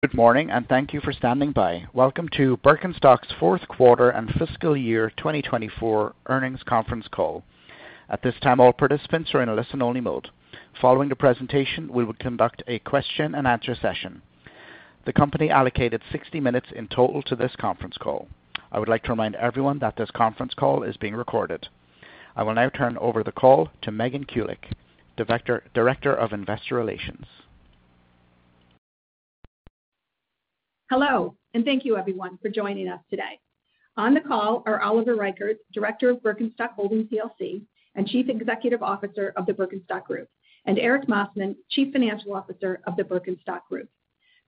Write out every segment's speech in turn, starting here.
Good morning, and thank you for standing by. Welcome to Birkenstock's fourth quarter and fiscal year 2024 earnings conference call. At this time, all participants are in a listen-only mode. Following the presentation, we will conduct a question-and-answer session. The company allocated 60 minutes in total to this conference call. I would like to remind everyone that this conference call is being recorded. I will now turn over the call to Megan Kulick, Director of Investor Relations. Hello, and thank you, everyone, for joining us today. On the call are Oliver Reichert, Director of Birkenstock Holdings, LLC, and Chief Executive Officer of the Birkenstock Group, and Erik Massmann, Chief Financial Officer of the Birkenstock Group.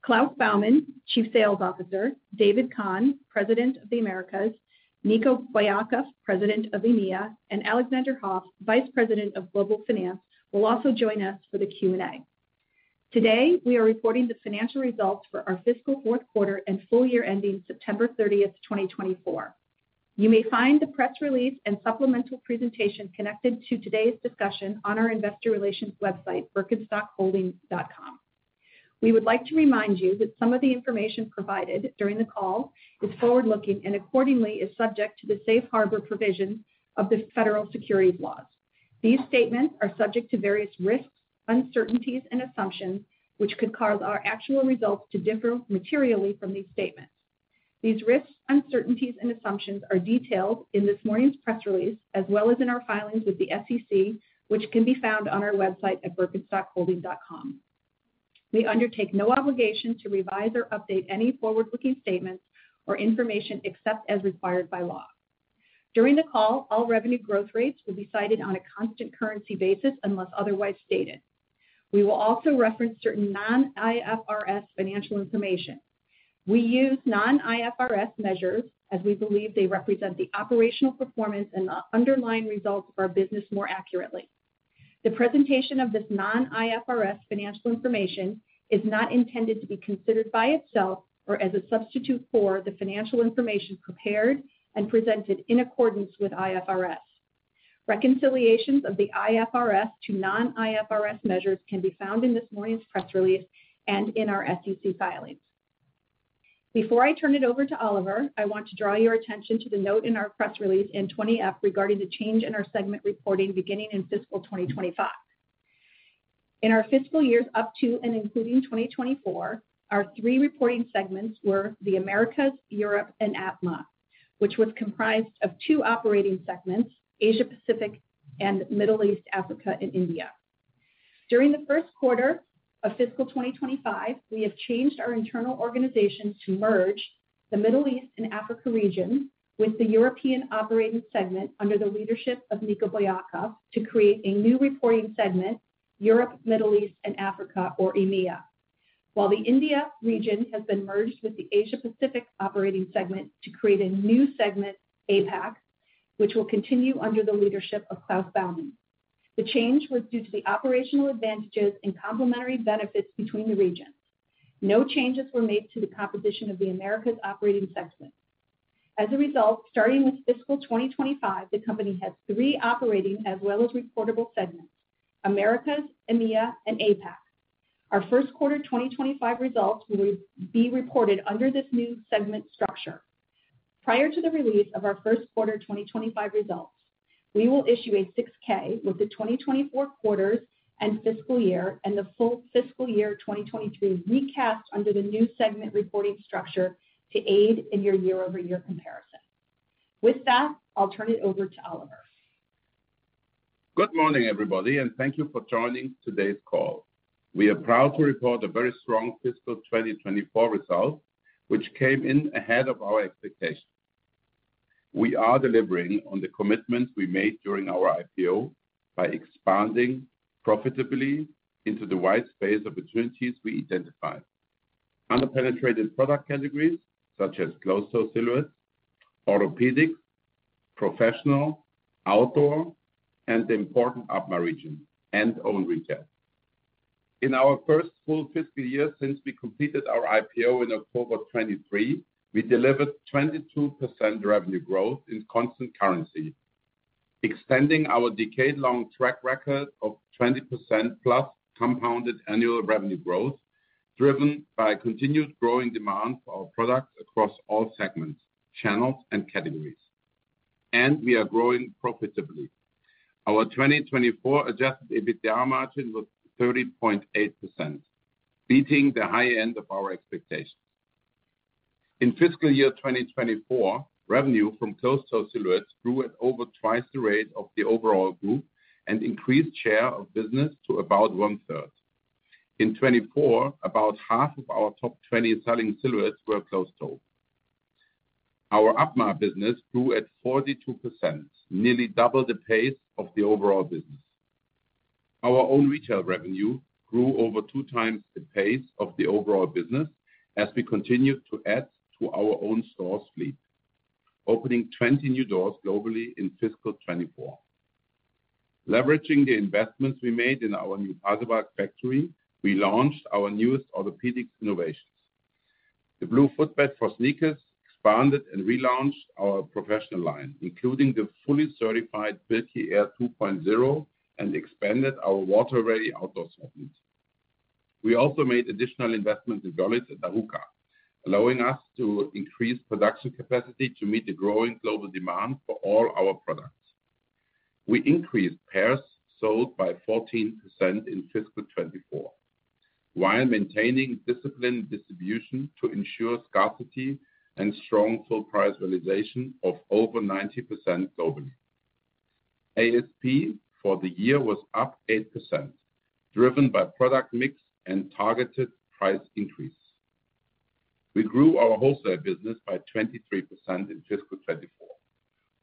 Klaus Baumann, Chief Sales Officer, David Kahan, President of the Americas, Nico Bouyakhf, President of EMEA, and Alexander Hoff, Vice President of Global Finance, will also join us for the Q&A. Today, we are reporting the financial results for our fiscal fourth quarter and full year ending September 30, 2024. You may find the press release and supplemental presentation connected to today's discussion on our investor relations website, birkenstockholding.com. We would like to remind you that some of the information provided during the call is forward-looking and, accordingly, is subject to the safe harbor provisions of the federal securities laws. These statements are subject to various risks, uncertainties, and assumptions, which could cause our actual results to differ materially from these statements. These risks, uncertainties, and assumptions are detailed in this morning's press release, as well as in our filings with the SEC, which can be found on our website at birkenstockholding.com. We undertake no obligation to revise or update any forward-looking statements or information except as required by law. During the call, all revenue growth rates will be cited on a constant currency basis unless otherwise stated. We will also reference certain non-IFRS financial information. We use non-IFRS measures as we believe they represent the operational performance and the underlying results of our business more accurately. The presentation of this non-IFRS financial information is not intended to be considered by itself or as a substitute for the financial information prepared and presented in accordance with IFRS. Reconciliations of the IFRS to non-IFRS measures can be found in this morning's press release and in our SEC filings. Before I turn it over to Oliver, I want to draw your attention to the note in our press release and in Form 20-F regarding the change in our segment reporting beginning in fiscal 2025. In our fiscal years up to and including 2024, our three reporting segments were the Americas, Europe, and APMA, which was comprised of two operating segments: Asia-Pacific and Middle East, Africa, and India. During the first quarter of fiscal 2025, we have changed our internal organization to merge the Middle East and Africa region with the European operating segment under the leadership of Niko Bouyakhf to create a new reporting segment: Europe, Middle East, and Africa, or EMEA, while the India region has been merged with the Asia-Pacific operating segment to create a new segment, APAC, which will continue under the leadership of Klaus Baumann. The change was due to the operational advantages and complementary benefits between the regions. No changes were made to the composition of the Americas operating segment. As a result, starting with fiscal 2025, the company has three operating as well as reportable segments: Americas, EMEA, and APAC. Our first quarter 2025 results will be reported under this new segment structure. Prior to the release of our first quarter 2025 results, we will issue a 6-K with the 2024 quarters and fiscal year and the full fiscal year 2023 recast under the new segment reporting structure to aid in your year-over-year comparison. With that, I'll turn it over to Oliver. Good morning, everybody, and thank you for joining today's call. We are proud to report a very strong fiscal 2024 result, which came in ahead of our expectations. We are delivering on the commitments we made during our IPO by expanding profitably into the white space of opportunities we identified under penetrated product categories such as closed-toe silhouettes, orthopedics, professional, outdoor, and the important APMA region and own retail. In our first full fiscal year since we completed our IPO in October 2023, we delivered 22% revenue growth in constant currency, extending our decade-long track record of 20% plus compounded annual revenue growth driven by continued growing demand for our products across all segments, channels, and categories. And we are growing profitably. Our 2024 Adjusted EBITDA margin was 30.8%, beating the high end of our expectations. In fiscal year 2024, revenue from closed-toe silhouettes grew at over twice the rate of the overall group and increased share of business to about one-third. In 2024, about half of our top 20 selling silhouettes were closed-toe. Our APMA business grew at 42%, nearly double the pace of the overall business. Our own retail revenue grew over two times the pace of the overall business as we continued to add to our own store fleet, opening 20 new doors globally in fiscal 2024. Leveraging the investments we made in our new Pasewalk factory, we launched our newest orthopedics innovations. The Blue Footbed for sneakers expanded and relaunched our professional line, including the fully certified Birki Air 2.0, and expanded our water-ready outdoor segment. We also made additional investments in Varel at Arouca, allowing us to increase production capacity to meet the growing global demand for all our products. We increased pairs sold by 14% in fiscal 2024 while maintaining disciplined distribution to ensure scarcity and strong full price realization of over 90% globally. ASP for the year was up 8%, driven by product mix and targeted price increase. We grew our wholesale business by 23% in fiscal 2024.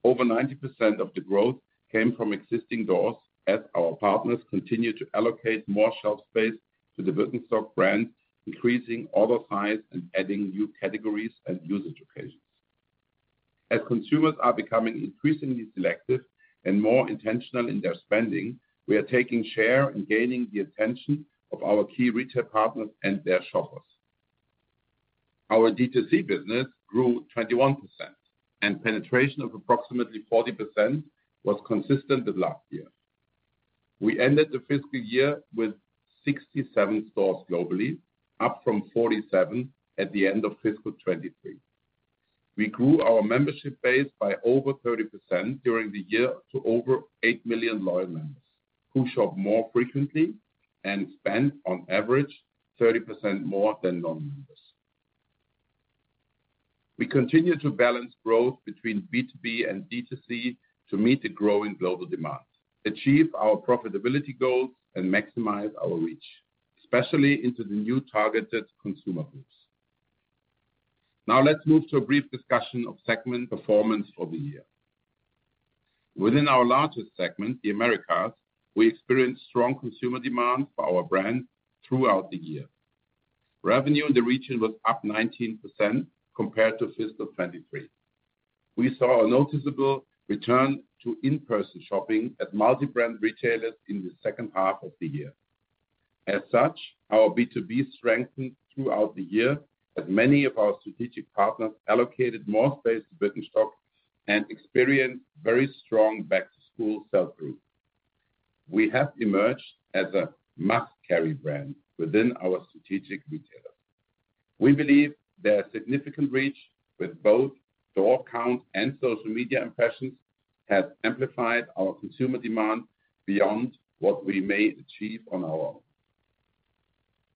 Over 90% of the growth came from existing doors as our partners continue to allocate more shelf space to the Birkenstock brand, increasing order size and adding new categories and usage occasions. As consumers are becoming increasingly selective and more intentional in their spending, we are taking share and gaining the attention of our key retail partners and their shoppers. Our D2C business grew 21%, and penetration of approximately 40% was consistent with last year. We ended the fiscal year with 67 stores globally, up from 47 at the end of fiscal 2023. We grew our membership base by over 30% during the year to over 8 million loyal members who shop more frequently and spend on average 30% more than non-members. We continue to balance growth between B2B and D2C to meet the growing global demand, achieve our profitability goals, and maximize our reach, especially into the new targeted consumer groups. Now, let's move to a brief discussion of segment performance for the year. Within our largest segment, the Americas, we experienced strong consumer demand for our brand throughout the year. Revenue in the region was up 19% compared to fiscal 2023. We saw a noticeable return to in-person shopping at multi-brand retailers in the second half of the year. As such, our B2B strengthened throughout the year as many of our strategic partners allocated more space to Birkenstock and experienced very strong back-to-school sales growth. We have emerged as a must-carry brand within our strategic retailers. We believe their significant reach with both door count and social media impressions has amplified our consumer demand beyond what we may achieve on our own.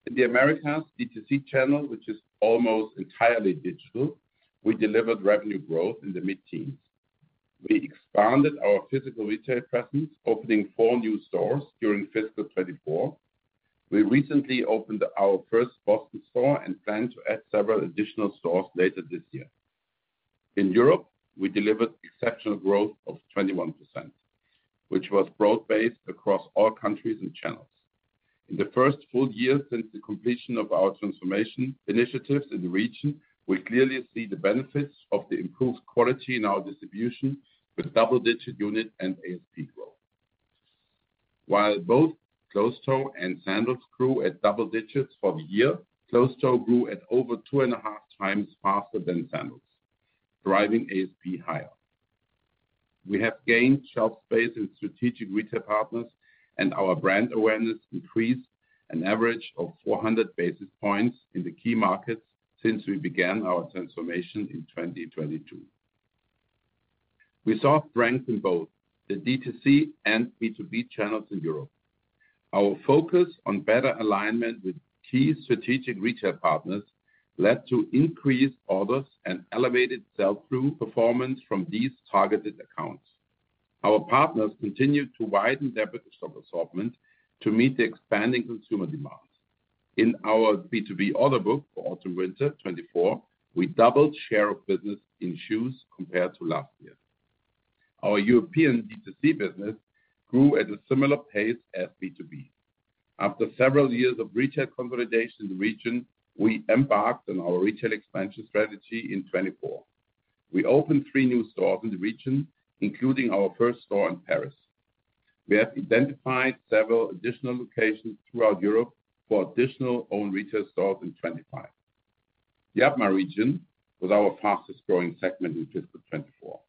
In the Americas, D2C channel, which is almost entirely digital, we delivered revenue growth in the mid-teens. We expanded our physical retail presence, opening four new stores during fiscal 2024. We recently opened our first Boston store and plan to add several additional stores later this year. In Europe, we delivered exceptional growth of 21%, which was broad-based across all countries and channels. In the first full year since the completion of our transformation initiatives in the region, we clearly see the benefits of the improved quality in our distribution with double-digit unit and ASP growth. While both closed-toe and sandals grew at double digits for the year, closed-toe grew at over two and a half times faster than sandals, driving ASP higher. We have gained shelf space in strategic retail partners, and our brand awareness increased an average of 400 basis points in the key markets since we began our transformation in 2022. We saw strength in both the D2C and B2B channels in Europe. Our focus on better alignment with key strategic retail partners led to increased orders and elevated sales through performance from these targeted accounts. Our partners continue to widen their Birkenstock assortment to meet the expanding consumer demand. In our B2B order book for Autumn/Winter 2024, we doubled share of business in shoes compared to last year. Our European D2C business grew at a similar pace as B2B. After several years of retail consolidation in the region, we embarked on our retail expansion strategy in 2024. We opened three new stores in the region, including our first store in Paris. We have identified several additional locations throughout Europe for additional own retail stores in 2025. The APMA region was our fastest-growing segment in fiscal 2024,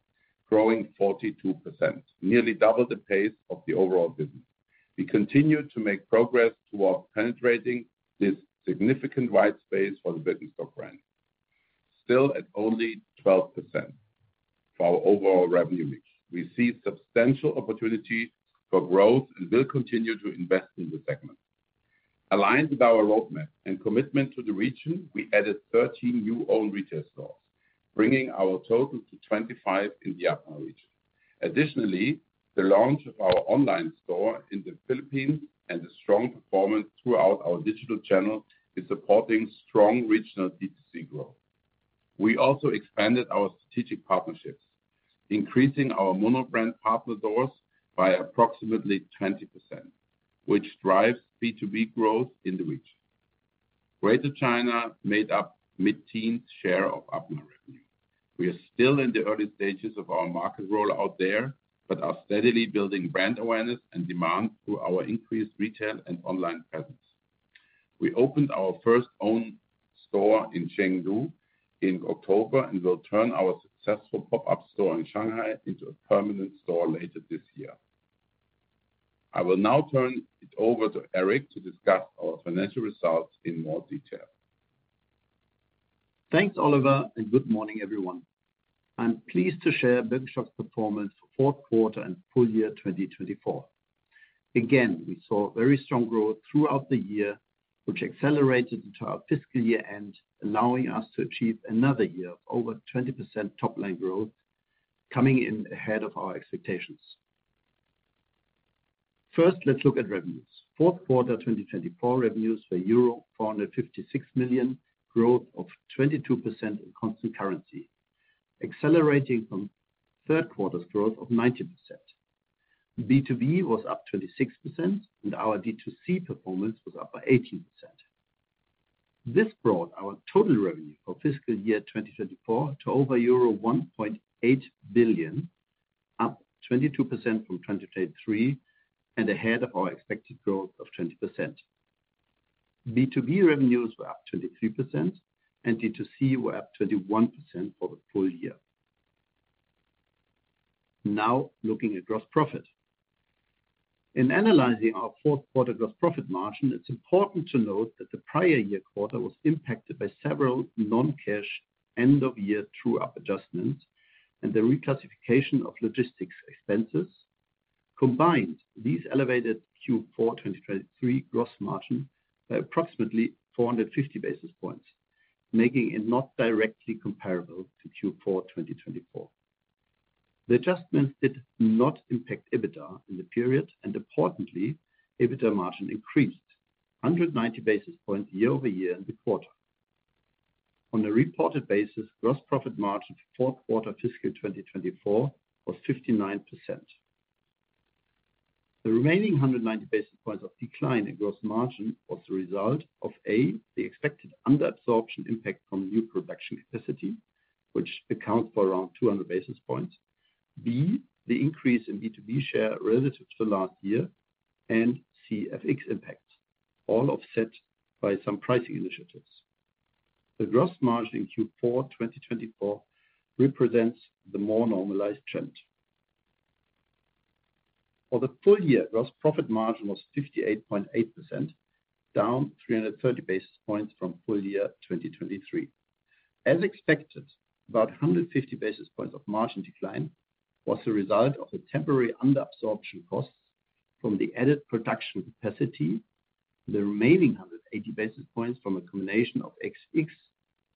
growing 42%, nearly double the pace of the overall business. We continue to make progress towards penetrating this significant white space for the Birkenstock brand, still at only 12% for our overall revenue mix. We see substantial opportunity for growth and will continue to invest in the segment. Aligned with our roadmap and commitment to the region, we added 13 new own retail stores, bringing our total to 25 in the APMA region. Additionally, the launch of our online store in the Philippines and the strong performance throughout our digital channel is supporting strong regional D2C growth. We also expanded our strategic partnerships, increasing our monobrand partner doors by approximately 20%, which drives B2B growth in the region. Greater China made up mid-teens share of APMA revenue. We are still in the early stages of our market rollout there but are steadily building brand awareness and demand through our increased retail and online presence. We opened our first own store in Chengdu in October and will turn our successful pop-up store in Shanghai into a permanent store later this year. I will now turn it over to Erik to discuss our financial results in more detail. Thanks, Oliver, and good morning, everyone. I'm pleased to share Birkenstock's performance for fourth quarter and full year 2024. Again, we saw very strong growth throughout the year, which accelerated until our fiscal year end, allowing us to achieve another year of over 20% top-line growth, coming in ahead of our expectations. First, let's look at revenues. Fourth quarter 2024 revenues were €456 million, growth of 22% in constant currency, accelerating from third quarter's growth of 90%. B2B was up 26%, and our D2C performance was up by 18%. This brought our total revenue for fiscal year 2024 to over €1.8 billion, up 22% from 2023 and ahead of our expected growth of 20%. B2B revenues were up 23%, and D2C were up 21% for the full year. Now, looking at gross profit. In analyzing our fourth quarter gross profit margin, it's important to note that the prior year quarter was impacted by several non-cash end-of-year true-up adjustments and the reclassification of logistics expenses. Combined, these elevated Q4 2023 gross margin by approximately 450 basis points, making it not directly comparable to Q4 2024. The adjustments did not impact EBITDA in the period, and importantly, EBITDA margin increased 190 basis points year over year in the quarter. On a reported basis, gross profit margin for fourth quarter fiscal 2024 was 59%. The remaining 190 basis points of decline in gross margin was the result of, A, the expected under-absorption impact from new production capacity, which accounts for around 200 basis points, B, the increase in B2B share relative to last year, and C, FX impacts, all offset by some pricing initiatives. The gross margin in Q4 2024 represents the more normalized trend. For the full year, gross profit margin was 58.8%, down 330 basis points from full year 2023. As expected, about 150 basis points of margin decline was the result of the temporary under-absorption costs from the added production capacity, the remaining 180 basis points from a combination of FX,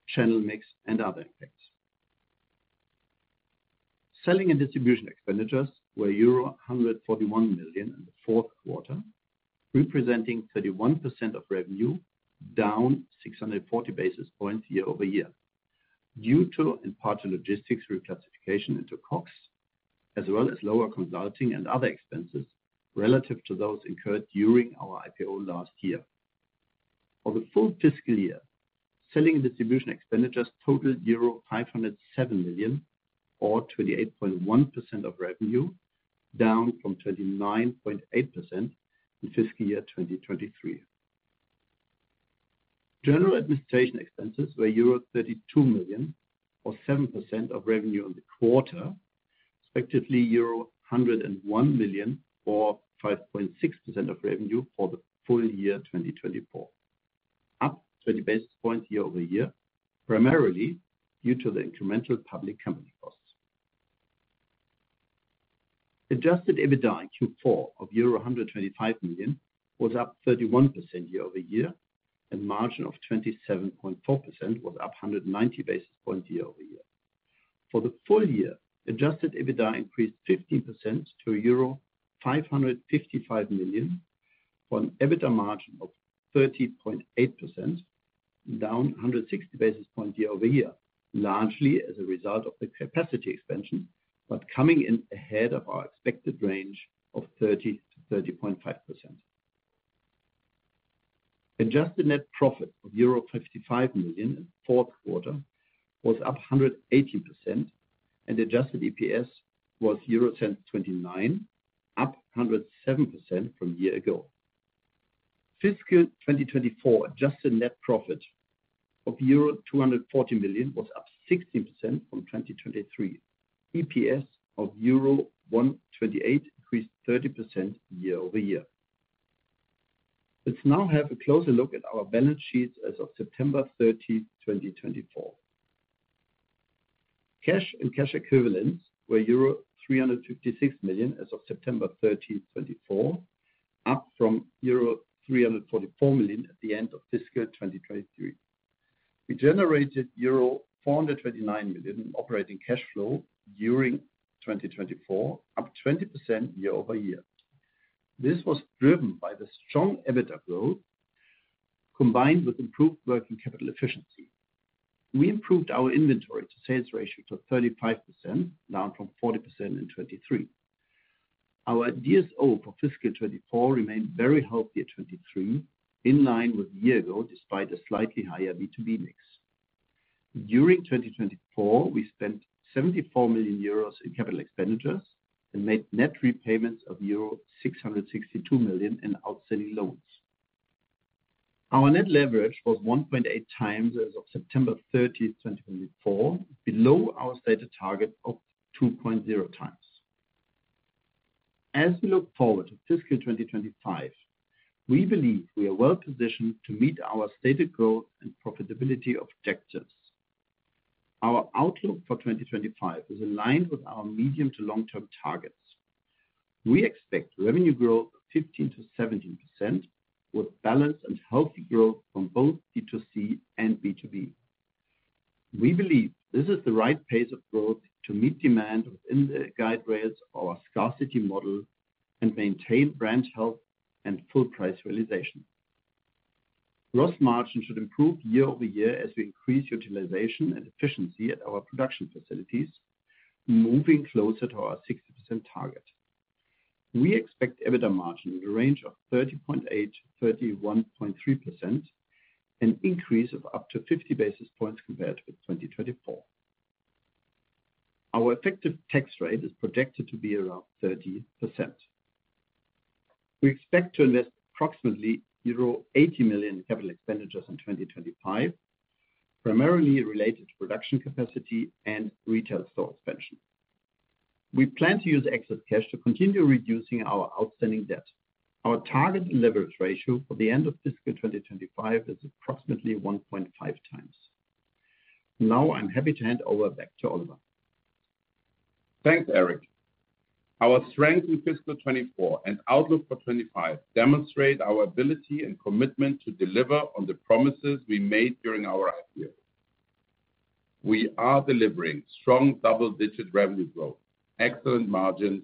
channel mix, and other impacts. Selling and distribution expenditures were €141 million in the fourth quarter, representing 31% of revenue, down 640 basis points year over year, due to, in part, logistics reclassification into COGS, as well as lower consulting and other expenses relative to those incurred during our IPO last year. For the full fiscal year, selling and distribution expenditures totaled €507 million, or 28.1% of revenue, down from 29.8% in fiscal year 2023. General administration expenses were €32 million, or 7% of revenue in the quarter, respectively €101 million, or 5.6% of revenue for the full year 2024, up 20 basis points year over year, primarily due to the incremental public company costs. Adjusted EBITDA in Q4 of €125 million was up 31% year over year, and margin of 27.4% was up 190 basis points year over year. For the full year, adjusted EBITDA increased 15% to €555 million for an EBITDA margin of 30.8%, down 160 basis points year over year, largely as a result of the capacity expansion, but coming in ahead of our expected range of 30% to 30.5%. Adjusted net profit of €55 million in the fourth quarter was up 118%, and adjusted EPS was €1.29, up 107% from a year ago. Fiscal 2024 adjusted net profit of €240 million was up 16% from 2023. EPS of €1.28 increased 30% year over year. Let's now have a closer look at our balance sheets as of September 30, 2024. Cash and cash equivalents were €356 million as of September 30, 2024, up from €344 million at the end of fiscal 2023. We generated €429 million in operating cash flow during 2024, up 20% year over year. This was driven by the strong EBITDA growth combined with improved working capital efficiency. We improved our inventory-to-sales ratio to 35%, down from 40% in 2023. Our DSO for fiscal 2024 remained very healthy in 2023, in line with a year ago despite a slightly higher B2B mix. During 2024, we spent €74 million in capital expenditures and made net repayments of €662 million in outstanding loans. Our net leverage was 1.8 times as of September 30, 2024, below our stated target of 2.0 times. As we look forward to fiscal 2025, we believe we are well-positioned to meet our stated growth and profitability objectives. Our outlook for 2025 is aligned with our medium to long-term targets. We expect revenue growth of 15%-17% with balanced and healthy growth from both D2C and B2B. We believe this is the right pace of growth to meet demand within the guide rails of our scarcity model and maintain brand health and full price realization. Gross margin should improve year over year as we increase utilization and efficiency at our production facilities, moving closer to our 60% target. We expect EBITDA margin in the range of 30.8%-31.3%, an increase of up to 50 basis points compared with 2024. Our effective tax rate is projected to be around 30%. We expect to invest approximately 80 million in capital expenditures in 2025, primarily related to production capacity and retail store expansion. We plan to use excess cash to continue reducing our outstanding debt. Our target leverage ratio for the end of fiscal 2025 is approximately 1.5 times. Now, I'm happy to hand over back to Oliver. Thanks, Erik. Our strength in fiscal 2024 and outlook for 2025 demonstrate our ability and commitment to deliver on the promises we made during our IPO. We are delivering strong double-digit revenue growth, excellent margins,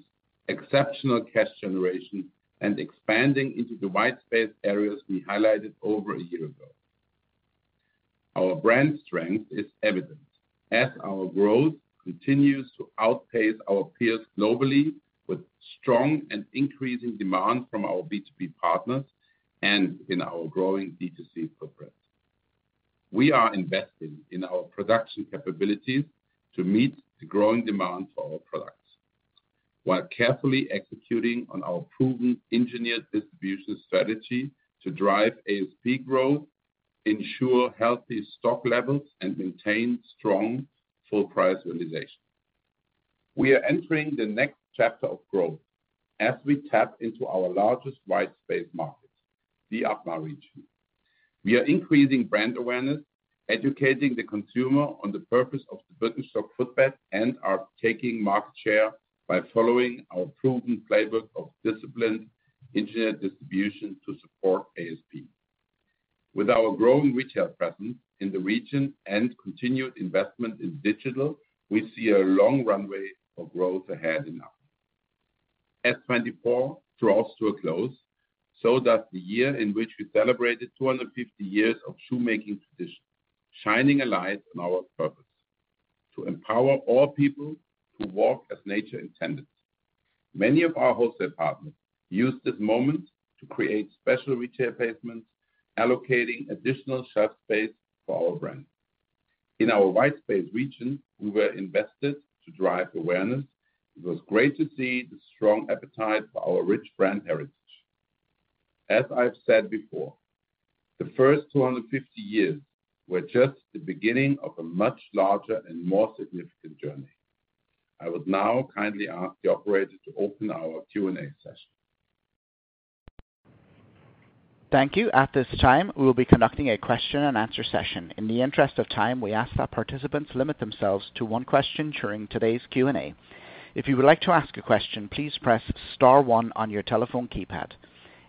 exceptional cash generation, and expanding into the white space areas we highlighted over a year ago. Our brand strength is evident as our growth continues to outpace our peers globally with strong and increasing demand from our B2B partners and in our growing D2C footprint. We are investing in our production capabilities to meet the growing demand for our products while carefully executing on our proven engineered distribution strategy to drive ASP growth, ensure healthy stock levels, and maintain strong full price realization. We are entering the next chapter of growth as we tap into our largest white space market, the APMA region. We are increasing brand awareness, educating the consumer on the purpose of the Birkenstock footbed, and are taking market share by following our proven playbook of disciplined engineered distribution to support ASP. With our growing retail presence in the region and continued investment in digital, we see a long runway for growth ahead in APMA. As 2024 draws to a close, so does the year in which we celebrated 250 years of shoemaking tradition, shining a light on our purpose: to empower all people to walk as nature intended. Many of our wholesale partners used this moment to create special retail placements, allocating additional shelf space for our brand. In our APMA region, we invested to drive awareness. It was great to see the strong appetite for our rich brand heritage. As I've said before, the first 250 years were just the beginning of a much larger and more significant journey. I would now kindly ask the operator to open our Q&A session. Thank you. At this time, we will be conducting a question-and-answer session. In the interest of time, we ask that participants limit themselves to one question during today's Q&A. If you would like to ask a question, please press Star 1 on your telephone keypad.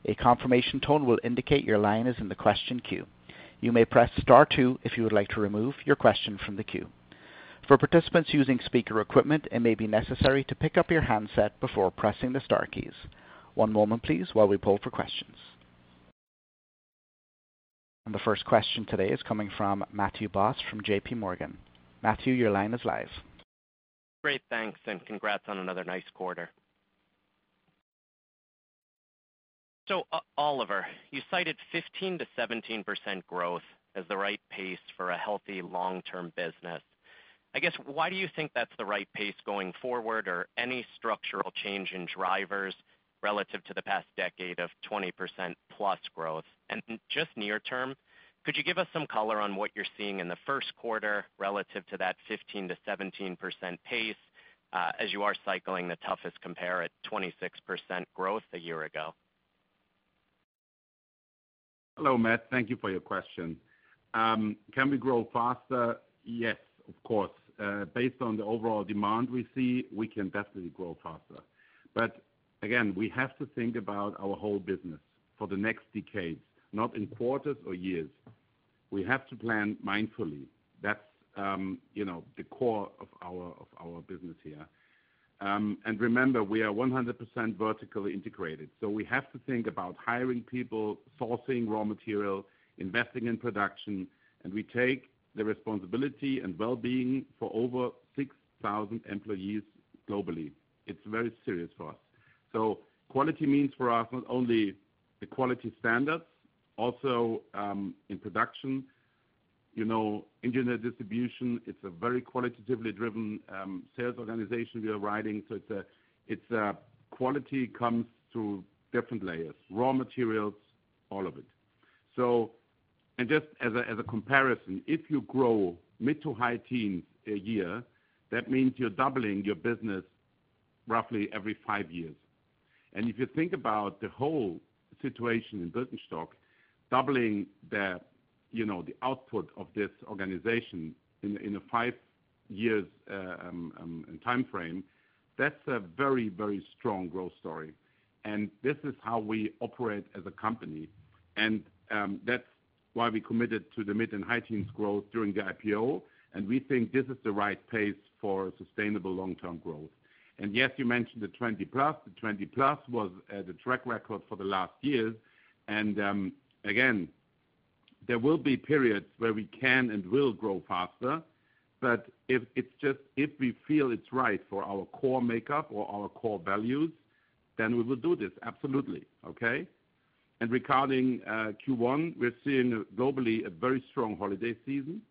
A confirmation tone will indicate your line is in the question queue. You may press Star 2 if you would like to remove your question from the queue. For participants using speaker equipment, it may be necessary to pick up your handset before pressing the Star keys. One moment, please, while we pull for questions. And the first question today is coming from Matthew Boss from J.P. Morgan. Matthew, your line is live. Great. Thanks, and congrats on another nice quarter. So, Oliver, you cited 15%-17% growth as the right pace for a healthy long-term business. I guess, why do you think that's the right pace going forward or any structural change in drivers relative to the past decade of 20%-plus growth? And just near term, could you give us some color on what you're seeing in the first quarter relative to that 15%-17% pace as you are cycling the toughest compare at 26% growth a year ago? Hello, Matt. Thank you for your question. Can we grow faster? Yes, of course. Based on the overall demand we see, we can definitely grow faster, but again, we have to think about our whole business for the next decades, not in quarters or years. We have to plan mindfully. That's the core of our business here, and remember, we are 100% vertically integrated, so we have to think about hiring people, sourcing raw material, investing in production, and we take the responsibility and well-being for over 6,000 employees globally. It's very serious for us, so quality means for us not only the quality standards, also in production, engineered distribution. It's a very qualitatively driven sales organization we are riding, so quality comes through different layers: raw materials, all of it. Just as a comparison, if you grow mid- to high-teens a year, that means you're doubling your business roughly every five years. If you think about the whole situation in Birkenstock, doubling the output of this organization in a five-year timeframe, that's a very, very strong growth story. This is how we operate as a company. That's why we committed to the mid- and high-teens growth during the IPO. We think this is the right pace for sustainable long-term growth. Yes, you mentioned the 20-plus. The 20-plus was the track record for the last year. Again, there will be periods where we can and will grow faster. But if we feel it's right for our core makeup or our core values, then we will do this. Absolutely. Okay? Regarding Q1, we're seeing globally a very strong holiday season.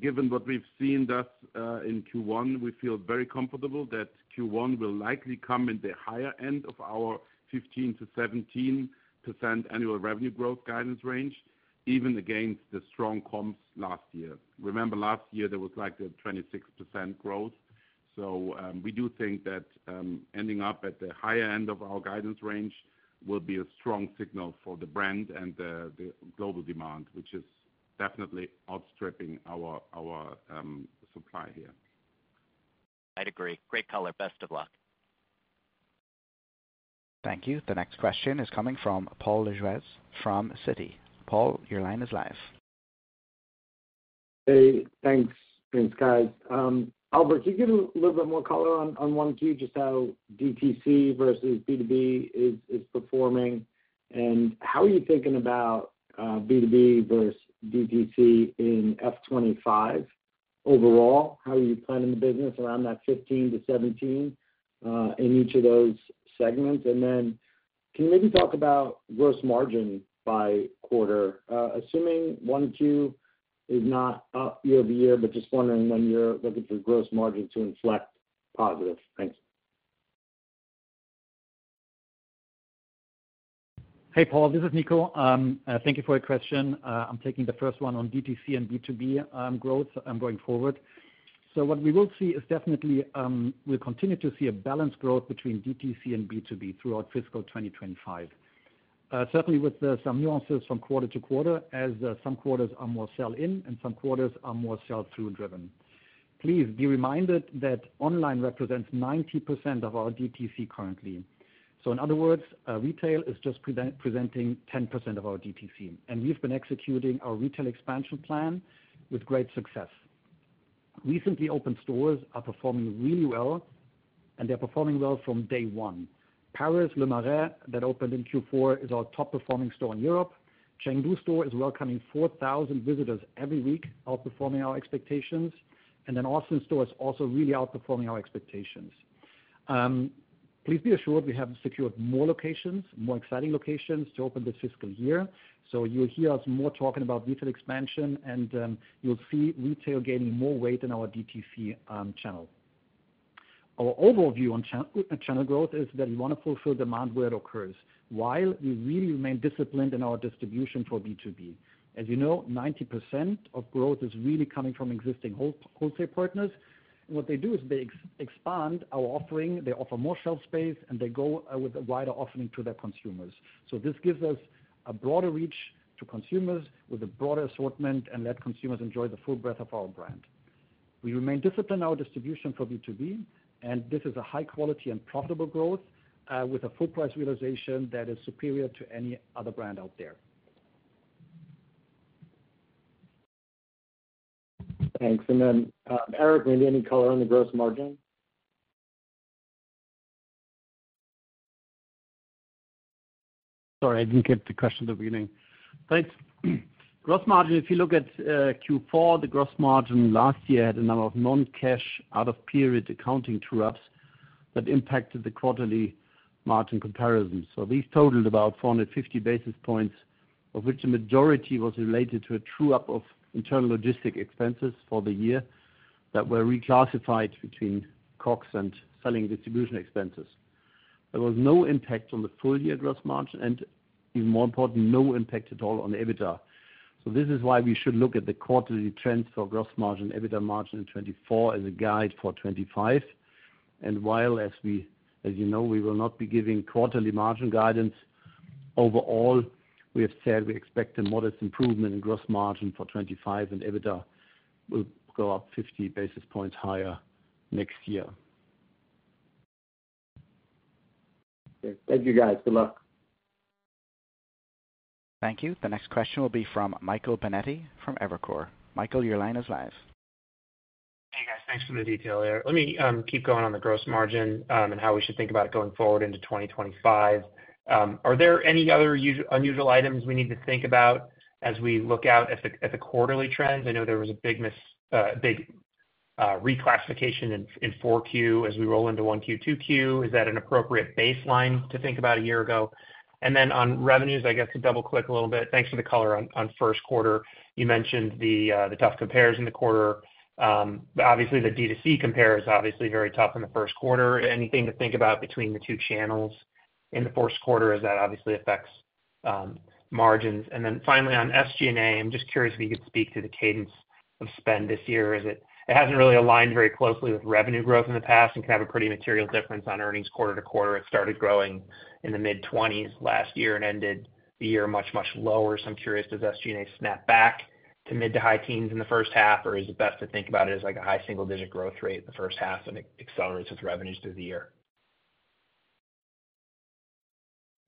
Given what we've seen thus far in Q1, we feel very comfortable that Q1 will likely come in the higher end of our 15%-17% annual revenue growth guidance range, even against the strong comps last year. Remember, last year, there was like the 26% growth, so we do think that ending up at the higher end of our guidance range will be a strong signal for the brand and the global demand, which is definitely outstripping our supply here. I'd agree. Great color. Best of luck. Thank you. The next question is coming from Paul Lejuez from Citi. Paul, your line is live. Hey. Thanks. Thanks, guys. Oliver, can you give a little bit more color on one of you, just how DTC versus B2B is performing? And how are you thinking about B2B versus DTC in F25 overall? How are you planning the business around that 15%-17% in each of those segments? And then can you maybe talk about gross margin by quarter? Assuming one or two is not year over year, but just wondering when you're looking for gross margin to inflect positive. Thanks. Hey, Paul. This is Nico. Thank you for your question. I'm taking the first one on DTC and B2B growth going forward. So what we will see is definitely we'll continue to see a balanced growth between DTC and B2B throughout fiscal 2025, certainly with some nuances from quarter to quarter, as some quarters are more sell-in and some quarters are more sell-through driven. Please be reminded that online represents 90% of our DTC currently. So in other words, retail is just presenting 10% of our DTC. And we've been executing our retail expansion plan with great success. Recently opened stores are performing really well, and they're performing well from day one. Paris Le Marais, that opened in Q4, is our top-performing store in Europe. Chengdu store is welcoming 4,000 visitors every week, outperforming our expectations. And then Austin store is also really outperforming our expectations. Please be assured we have secured more locations, more exciting locations to open this fiscal year. So you'll hear us more talking about retail expansion, and you'll see retail gaining more weight in our DTC channel. Our overall view on channel growth is that we want to fulfill demand where it occurs, while we really remain disciplined in our distribution for B2B. As you know, 90% of growth is really coming from existing wholesale partners. And what they do is they expand our offering. They offer more shelf space, and they go with a wider offering to their consumers. So this gives us a broader reach to consumers with a broader assortment and let consumers enjoy the full breadth of our brand. We remain disciplined in our distribution for B2B, and this is a high-quality and profitable growth with a full price realization that is superior to any other brand out there. Thanks. And then, Erik, maybe any color on the gross margin? Sorry, I didn't get the question at the beginning. Thanks. Gross margin, if you look at Q4, the gross margin last year had a number of non-cash out-of-period accounting true-ups that impacted the quarterly margin comparisons, so these totaled about 450 basis points, of which the majority was related to a true-up of internal logistic expenses for the year that were reclassified between COGS and selling distribution expenses. There was no impact on the full-year gross margin and, even more important, no impact at all on EBITDA. So this is why we should look at the quarterly trends for gross margin and EBITDA margin in 2024 as a guide for 2025, and while, as you know, we will not be giving quarterly margin guidance overall, we have said we expect a modest improvement in gross margin for 2025, and EBITDA will go up 50 basis points higher next year. Thank you, guys. Good luck. Thank you. The next question will be from Michael Binetti from Evercore. Michael, your line is live. Hey, guys. Thanks for the detail, Erik. Let me keep going on the gross margin and how we should think about it going forward into 2025. Are there any other unusual items we need to think about as we look out at the quarterly trends? I know there was a big reclassification in 4Q as we roll into 1Q, 2Q. Is that an appropriate baseline to think about a year ago? And then on revenues, I guess to double-click a little bit, thanks for the color on first quarter. You mentioned the tough compares in the quarter. Obviously, the D2C compare is obviously very tough in the first quarter. Anything to think about between the two channels in the fourth quarter as that obviously affects margins? And then finally, on SG&A, I'm just curious if you could speak to the cadence of spend this year. It hasn't really aligned very closely with revenue growth in the past and can have a pretty material difference on earnings quarter to quarter. It started growing in the mid-20s last year and ended the year much, much lower. So I'm curious, does SG&A snap back to mid- to high-teens in the first half, or is it best to think about it as a high single-digit growth rate in the first half and accelerates its revenues through the year?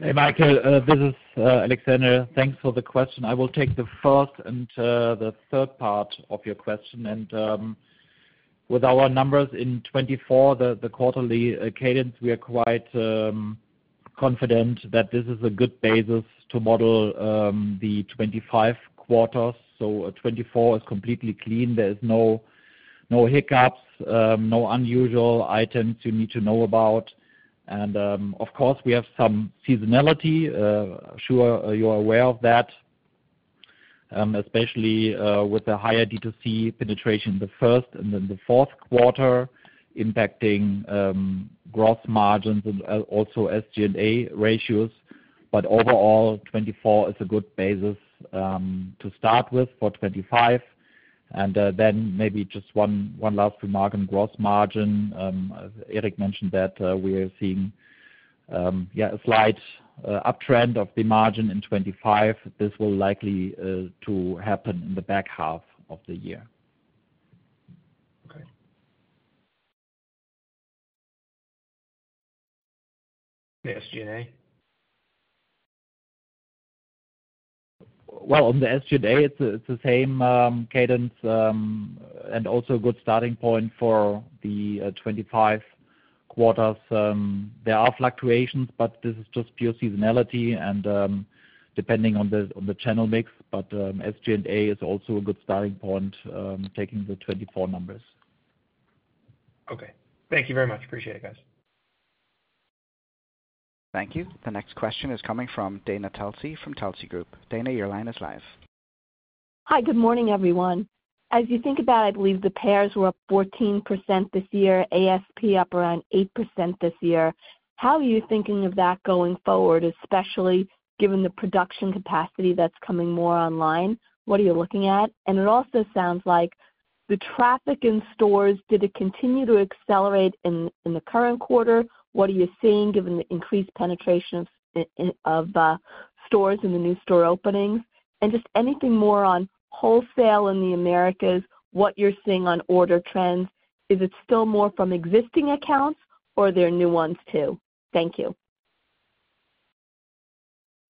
Hey, Michael. This is Alexander. Thanks for the question. I will take the first and the third part of your question. And with our numbers in 2024, the quarterly cadence, we are quite confident that this is a good basis to model the 2025 quarters. So 2024 is completely clean. There are no hiccups, no unusual items you need to know about. And of course, we have some seasonality. I'm sure you're aware of that, especially with the higher D2C penetration in the first and then the fourth quarter impacting gross margins and also SG&A ratios. But overall, 2024 is a good basis to start with for 2025. And then maybe just one last remark on gross margin. Erik mentioned that we are seeing a slight uptrend of the margin in 2025. This will likely happen in the back half of the year. Okay. The SG&A? On the SG&A, it's the same cadence and also a good starting point for the 2025 quarters. There are fluctuations, but this is just pure seasonality and depending on the channel mix. SG&A is also a good starting point taking the 2024 numbers. Okay. Thank you very much. Appreciate it, guys. Thank you. The next question is coming from Dana Telsey from Telsey Advisory Group. Dana, your line is live. Hi. Good morning, everyone. As you think about, I believe the pairs were up 14% this year, ASP up around 8% this year. How are you thinking of that going forward, especially given the production capacity that's coming more online? What are you looking at? And it also sounds like the traffic in stores, did it continue to accelerate in the current quarter? What are you seeing given the increased penetration of stores and the new store openings? And just anything more on wholesale in the Americas, what you're seeing on order trends, is it still more from existing accounts or are there new ones too? Thank you.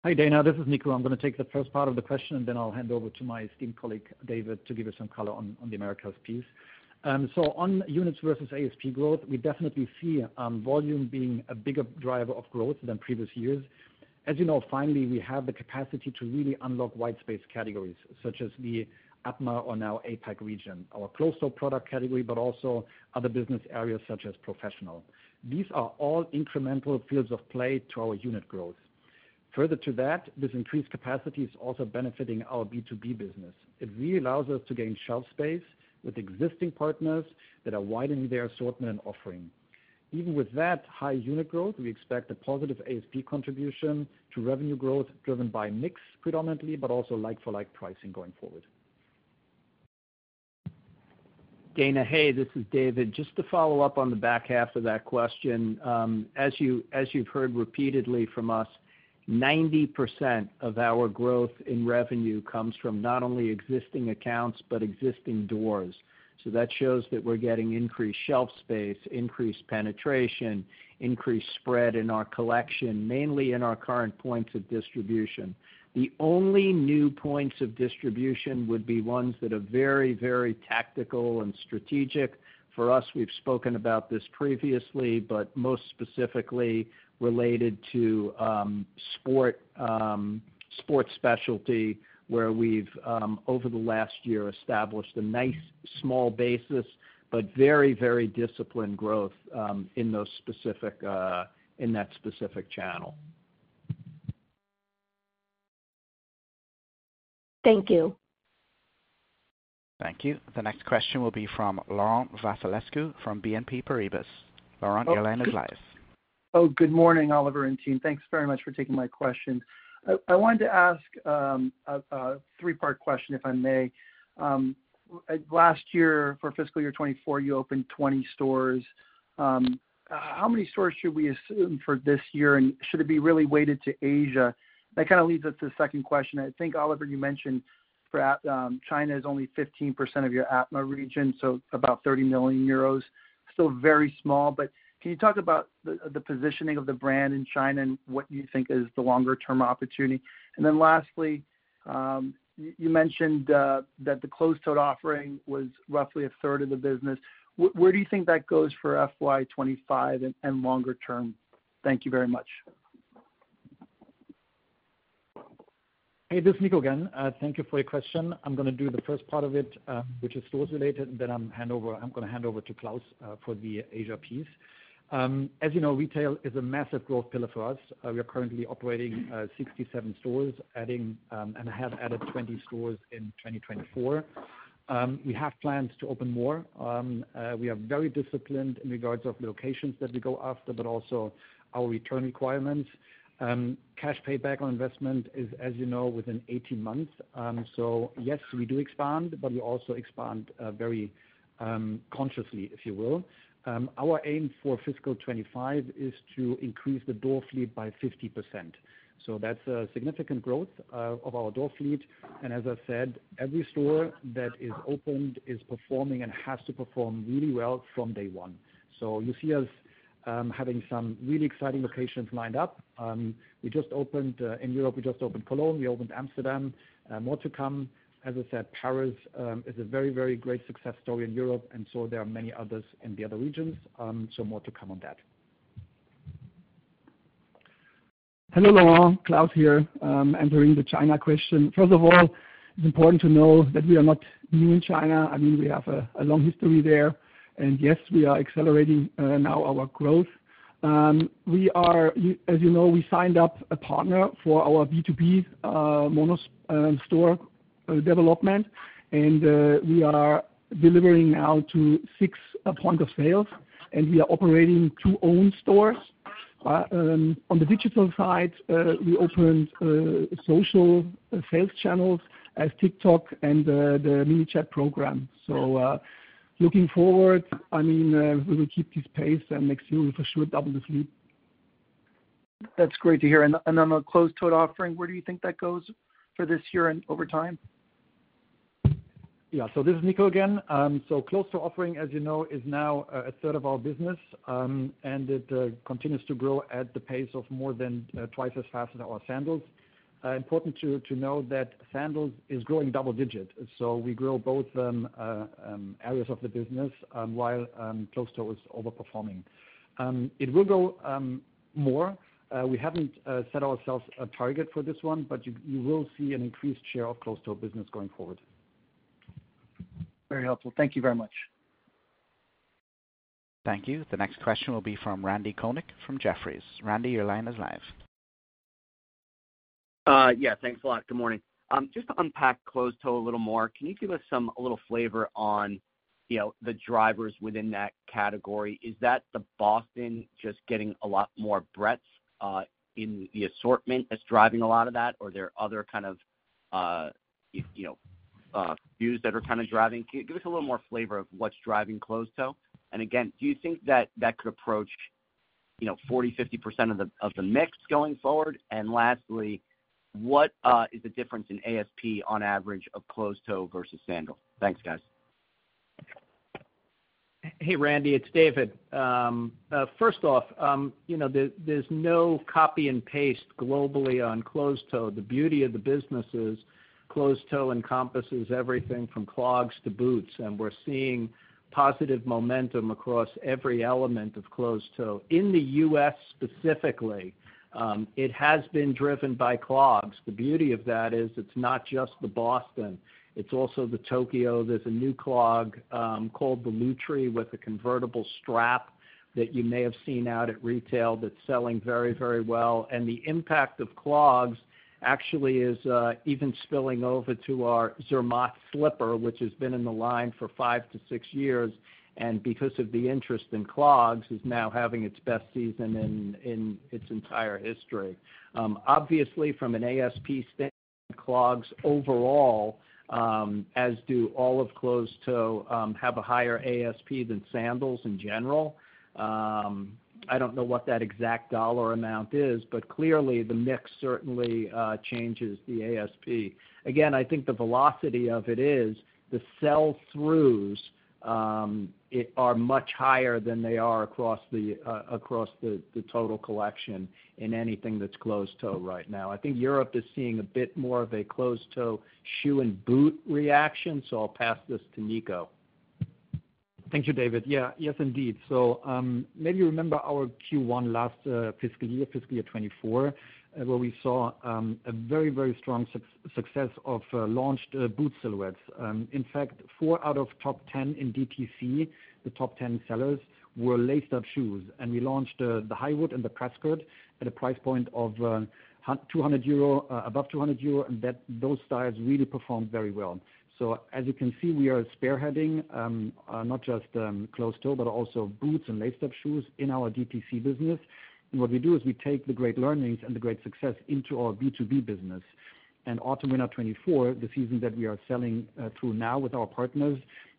Hi, Dana. This is Niko. I'm going to take the first part of the question, and then I'll hand over to my esteemed colleague, David, to give you some color on the Americas piece. So on units versus ASP growth, we definitely see volume being a bigger driver of growth than previous years. As you know, finally, we have the capacity to really unlock white space categories such as the APMA or now APAC region, our closed-toe product category, but also other business areas such as professional. These are all incremental fields of play to our unit growth. Further to that, this increased capacity is also benefiting our B2B business. It really allows us to gain shelf space with existing partners that are widening their assortment and offering. Even with that high unit growth, we expect a positive ASP contribution to revenue growth driven by mix predominantly, but also like-for-like pricing going forward. Dana, hey, this is David. Just to follow up on the back half of that question. As you've heard repeatedly from us, 90% of our growth in revenue comes from not only existing accounts but existing doors. So that shows that we're getting increased shelf space, increased penetration, increased spread in our collection, mainly in our current points of distribution. The only new points of distribution would be ones that are very, very tactical and strategic. For us, we've spoken about this previously, but most specifically related to sports specialty, where we've, over the last year, established a nice small basis but very, very disciplined growth in that specific channel. Thank you. Thank you. The next question will be from Laurent Vasilescu from BNP Paribas. Laurent, your line is live. Oh, good morning, Oliver and team. Thanks very much for taking my question. I wanted to ask a three-part question, if I may. Last year, for fiscal year 2024, you opened 20 stores. How many stores should we assume for this year, and should it be really weighted to Asia? That kind of leads us to the second question. I think, Oliver, you mentioned China is only 15% of your APMA region, so about 30 million euros. Still very small, but can you talk about the positioning of the brand in China and what you think is the longer-term opportunity? And then lastly, you mentioned that the closed-toe offering was roughly a third of the business. Where do you think that goes for FY 2025 and longer term? Thank you very much. Hey, this is Niko again. Thank you for your question. I'm going to do the first part of it, which is stores related, and then I'm going to hand over to Klaus for the Asia piece. As you know, retail is a massive growth pillar for us. We are currently operating 67 stores, adding and have added 20 stores in 2024. We have plans to open more. We are very disciplined in regards to the locations that we go after, but also our return requirements. Cash payback on investment is, as you know, within 18 months. So yes, we do expand, but we also expand very consciously, if you will. Our aim for fiscal 2025 is to increase the door fleet by 50%. So that's a significant growth of our door fleet. As I said, every store that is opened is performing and has to perform really well from day one. You see us having some really exciting locations lined up. We just opened in Europe. We just opened Cologne. We opened Amsterdam. More to come. As I said, Paris is a very, very great success story in Europe, and so there are many others in the other regions. More to come on that. Hello, Laurent. Klaus here, answering the China question. First of all, it's important to know that we are not new in China. I mean, we have a long history there, and yes, we are accelerating now our growth. As you know, we signed up a partner for our B2B store development, and we are delivering now to six points of sales, and we are operating two owned stores. On the digital side, we opened social sales channels as TikTok and the mini chat program, so looking forward, I mean, we will keep this pace, and next year, we'll for sure double the fleet. That's great to hear. And on the closed-toe offering, where do you think that goes for this year and over time? Yeah. So this is Nico again. So closed-toe offering, as you know, is now a third of our business, and it continues to grow at the pace of more than twice as fast as our sandals. Important to know that sandals is growing double-digit. So we grow both areas of the business while closed-toe is overperforming. It will grow more. We haven't set ourselves a target for this one, but you will see an increased share of closed-toe business going forward. Very helpful. Thank you very much. Thank you. The next question will be from Randy Konik from Jefferies. Randy, your line is live. Yeah. Thanks a lot. Good morning. Just to unpack close-toe a little more, can you give us a little flavor on the drivers within that category? Is that the Boston just getting a lot more breadths in the assortment that's driving a lot of that, or are there other kind of boots that are kind of driving? Give us a little more flavor of what's driving close-toe. And again, do you think that that could approach 40%-50% of the mix going forward? And lastly, what is the difference in ASP on average of close-toe versus sandals? Thanks, guys. Hey, Randy, it's David. First off, there's no copy and paste globally on closed-toe. The beauty of the business is closed-toe encompasses everything from clogs to boots, and we're seeing positive momentum across every element of closed-toe. In the U.S. specifically, it has been driven by clogs. The beauty of that is it's not just the Boston. It's also the Tokio. There's a new clog called the Lutry with a convertible strap that you may have seen out at retail that's selling very, very well. And the impact of clogs actually is even spilling over to our Zermatt slipper, which has been in the line for five to six years and because of the interest in clogs is now having its best season in its entire history. Obviously, from an ASP standpoint, clogs overall, as do all of closed-toe, have a higher ASP than sandals in general. I don't know what that exact dollar amount is, but clearly, the mix certainly changes the ASP. Again, I think the velocity of it is the sell-throughs are much higher than they are across the total collection in anything that's close-toe right now. I think Europe is seeing a bit more of a close-toe shoe and boot reaction, so I'll pass this to Nico. Thank you, David. Yeah. Yes, indeed. So maybe you remember our Q1 last fiscal year, fiscal year 2024, where we saw a very, very strong success of launched boot silhouettes. In fact, four out of top 10 in DTC, the top 10 sellers, were lace-up shoes. And we launched the Highwood and the Prescott at a price point of above € 200, and those styles really performed very well. So as you can see, we are spearheading not just close-toe, but also boots and lace-up shoes in our DTC business. And what we do is we take the great learnings and the great success into our B2B business. And Autumn Winter 2024, the season that we are selling through now with our partners,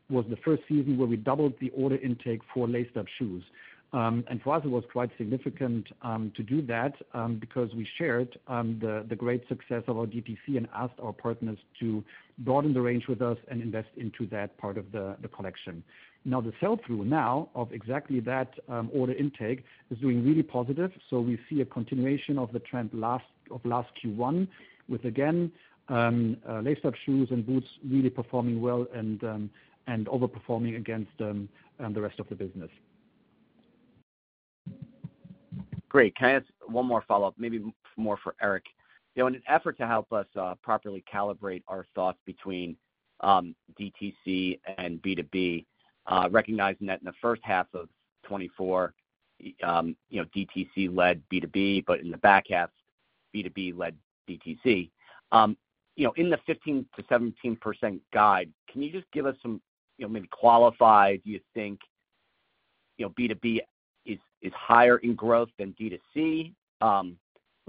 was the first season where we doubled the order intake for lace-up shoes. For us, it was quite significant to do that because we shared the great success of our DTC and asked our partners to broaden the range with us and invest into that part of the collection. The sell-through of exactly that order intake is doing really positive. We see a continuation of the trend of last Q1 with, again, lace-up shoes and boots really performing well and overperforming against the rest of the business. Great. Can I ask one more follow-up, maybe more for Erik? In an effort to help us properly calibrate our thoughts between DTC and B2B, recognizing that in the first half of 2024, DTC led B2B, but in the back half, B2B led DTC. In the 15%-17% guide, can you just give us some maybe qualified, do you think B2B is higher in growth than D2C, at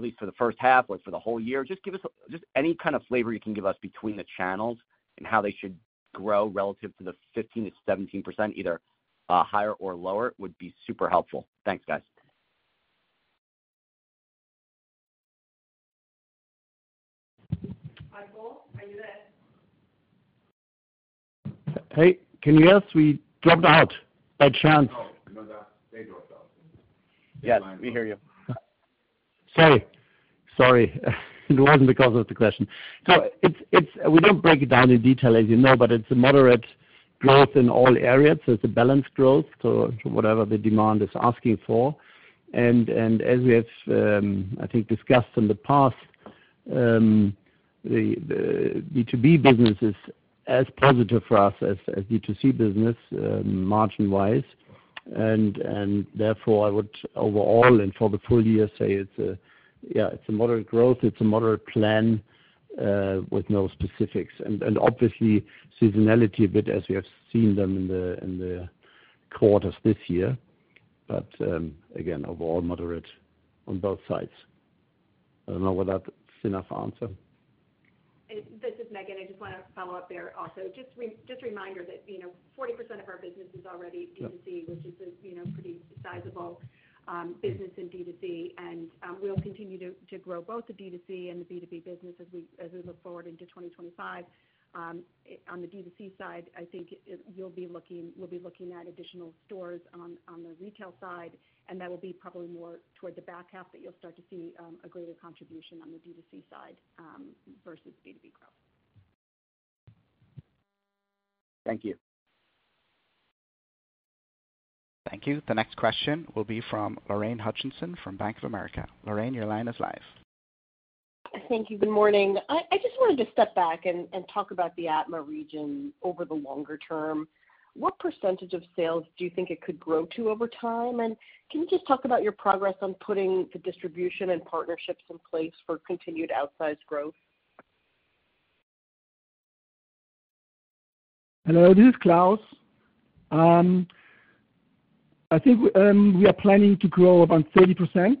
least for the first half or for the whole year? Just give us just any kind of flavor you can give us between the channels and how they should grow relative to the 15%-17%, either higher or lower, would be super helpful. Thanks, guys. Hi, Paul. Are you there? Hey. Can you hear us? We dropped out by chance. Oh, no, they dropped out. Yes, we hear you. Sorry. Sorry. It wasn't because of the question, so we don't break it down in detail, as you know, but it's a moderate growth in all areas, so it's a balanced growth to whatever the demand is asking for, and as we have, I think, discussed in the past, the B2B business is as positive for us as the D2C business margin-wise, and therefore, I would overall and for the full year say, yeah, it's a moderate growth. It's a moderate plan with no specifics, and obviously, seasonality a bit as we have seen them in the quarters this year, but again, overall, moderate on both sides. I don't know whether that's enough answer. This is Megan. I just want to follow up there also. Just a reminder that 40% of our business is already D2C, which is a pretty sizable business in D2C, and we'll continue to grow both the D2C and the B2B business as we look forward into 2025. On the D2C side, I think we'll be looking at additional stores on the retail side, and that will be probably more toward the back half that you'll start to see a greater contribution on the D2C side versus B2B growth. Thank you. Thank you. The next question will be from Lorraine Hutchinson from Bank of America. Lorraine, your line is live. Thank you. Good morning. I just wanted to step back and talk about the APMA region over the longer term. What percentage of sales do you think it could grow to over time, and can you just talk about your progress on putting the distribution and partnerships in place for continued outsized growth? Hello. This is Klaus. I think we are planning to grow about 30%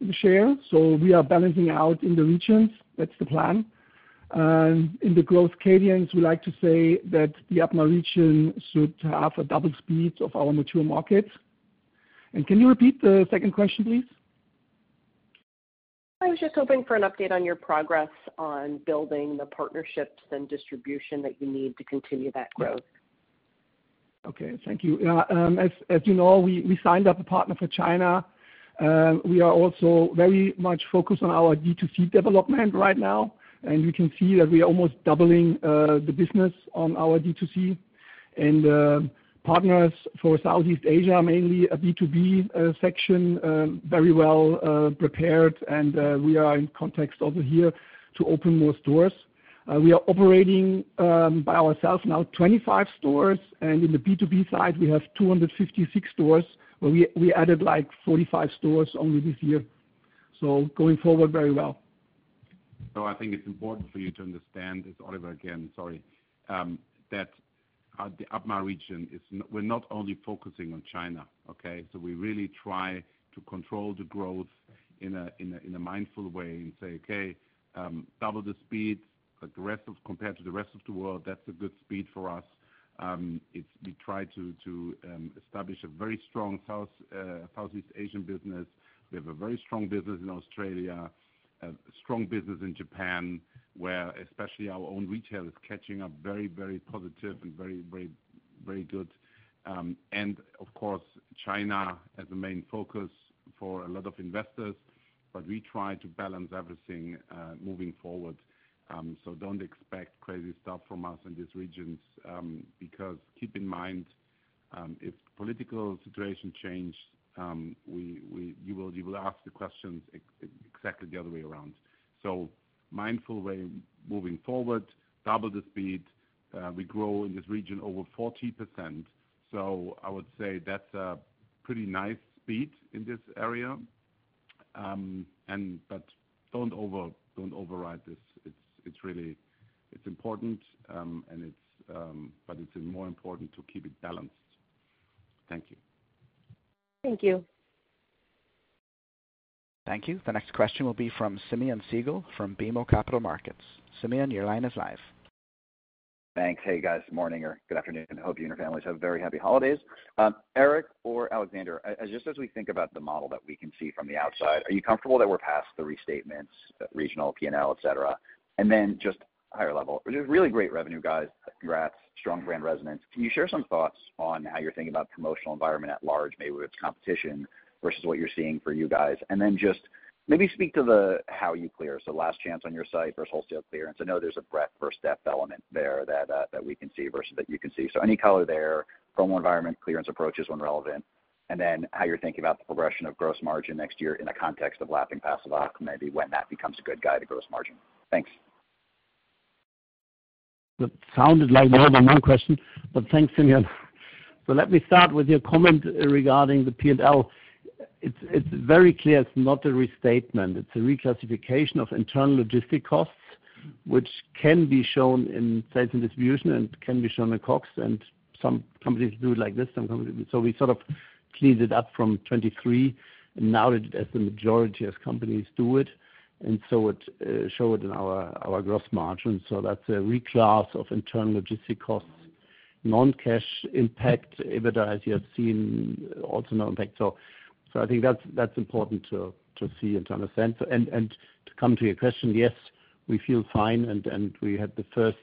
in share. So we are balancing out in the regions. That's the plan. In the growth cadence, we like to say that the APMA region should have a double speed of our mature markets, and can you repeat the second question, please? I was just hoping for an update on your progress on building the partnerships and distribution that you need to continue that growth. Okay. Thank you. As you know, we signed up a partner for China. We are also very much focused on our D2C development right now, and you can see that we are almost doubling the business on our D2C, and partners for Southeast Asia are mainly a B2B section, very well prepared, and we are in context over here to open more stores. We are operating by ourselves now 25 stores, and in the B2B side, we have 256 stores, but we added like 45 stores only this year, so going forward, very well. So I think it's important for you to understand this, Oliver. Again, sorry, that the APMA region, we're not only focusing on China, okay? So we really try to control the growth in a mindful way and say, "Okay, double the speed, but the rest of compared to the rest of the world, that's a good speed for us." We try to establish a very strong Southeast Asian business. We have a very strong business in Australia, a strong business in Japan, where especially our own retail is catching up very, very positive and very, very good. And of course, China as a main focus for a lot of investors, but we try to balance everything moving forward. So don't expect crazy stuff from us in these regions because keep in mind, if political situation changes, you will ask the questions exactly the other way around. Mindful way moving forward, double the speed. We grow in this region over 40%. I would say that's a pretty nice speed in this area, but don't override this. It's important, but it's more important to keep it balanced. Thank you. Thank you. Thank you. The next question will be from Simeon Siegel from BMO Capital Markets. Simeon, your line is live. Thanks. Hey, guys. Good morning or good afternoon. I hope you and your families have very happy holidays. Erik or Alexander, just as we think about the model that we can see from the outside, are you comfortable that we're past the restatements, regional, P&L, etc., and then just higher level? Really great revenue, guys. Congrats. Strong brand resonance. Can you share some thoughts on how you're thinking about promotional environment at large, maybe with competition versus what you're seeing for you guys? And then just maybe speak to the how you clear. So last chance on your site versus wholesale clearance. I know there's a breadth versus depth element there that we can see versus that you can see. So any color there, promo environment, clearance approaches when relevant, and then how you're thinking about the progression of gross margin next year in the context of lapping past the lack of maybe when that becomes a good guide to gross margin? Thanks. That sounded like more than one question, but thanks, Simeon. So let me start with your comment regarding the P&L. It's very clear it's not a restatement. It's a reclassification of internal logistics costs, which can be shown in sales and distribution and can be shown in COGS. And some companies do it like this. So we sort of cleaned it up from 2023 and now it's the majority of companies do it. And so it showed in our gross margin. So that's a reclass of internal logistics costs, non-cash impact, even as you have seen also no impact. So I think that's important to see and to understand. And to come to your question, yes, we feel fine, and we had the first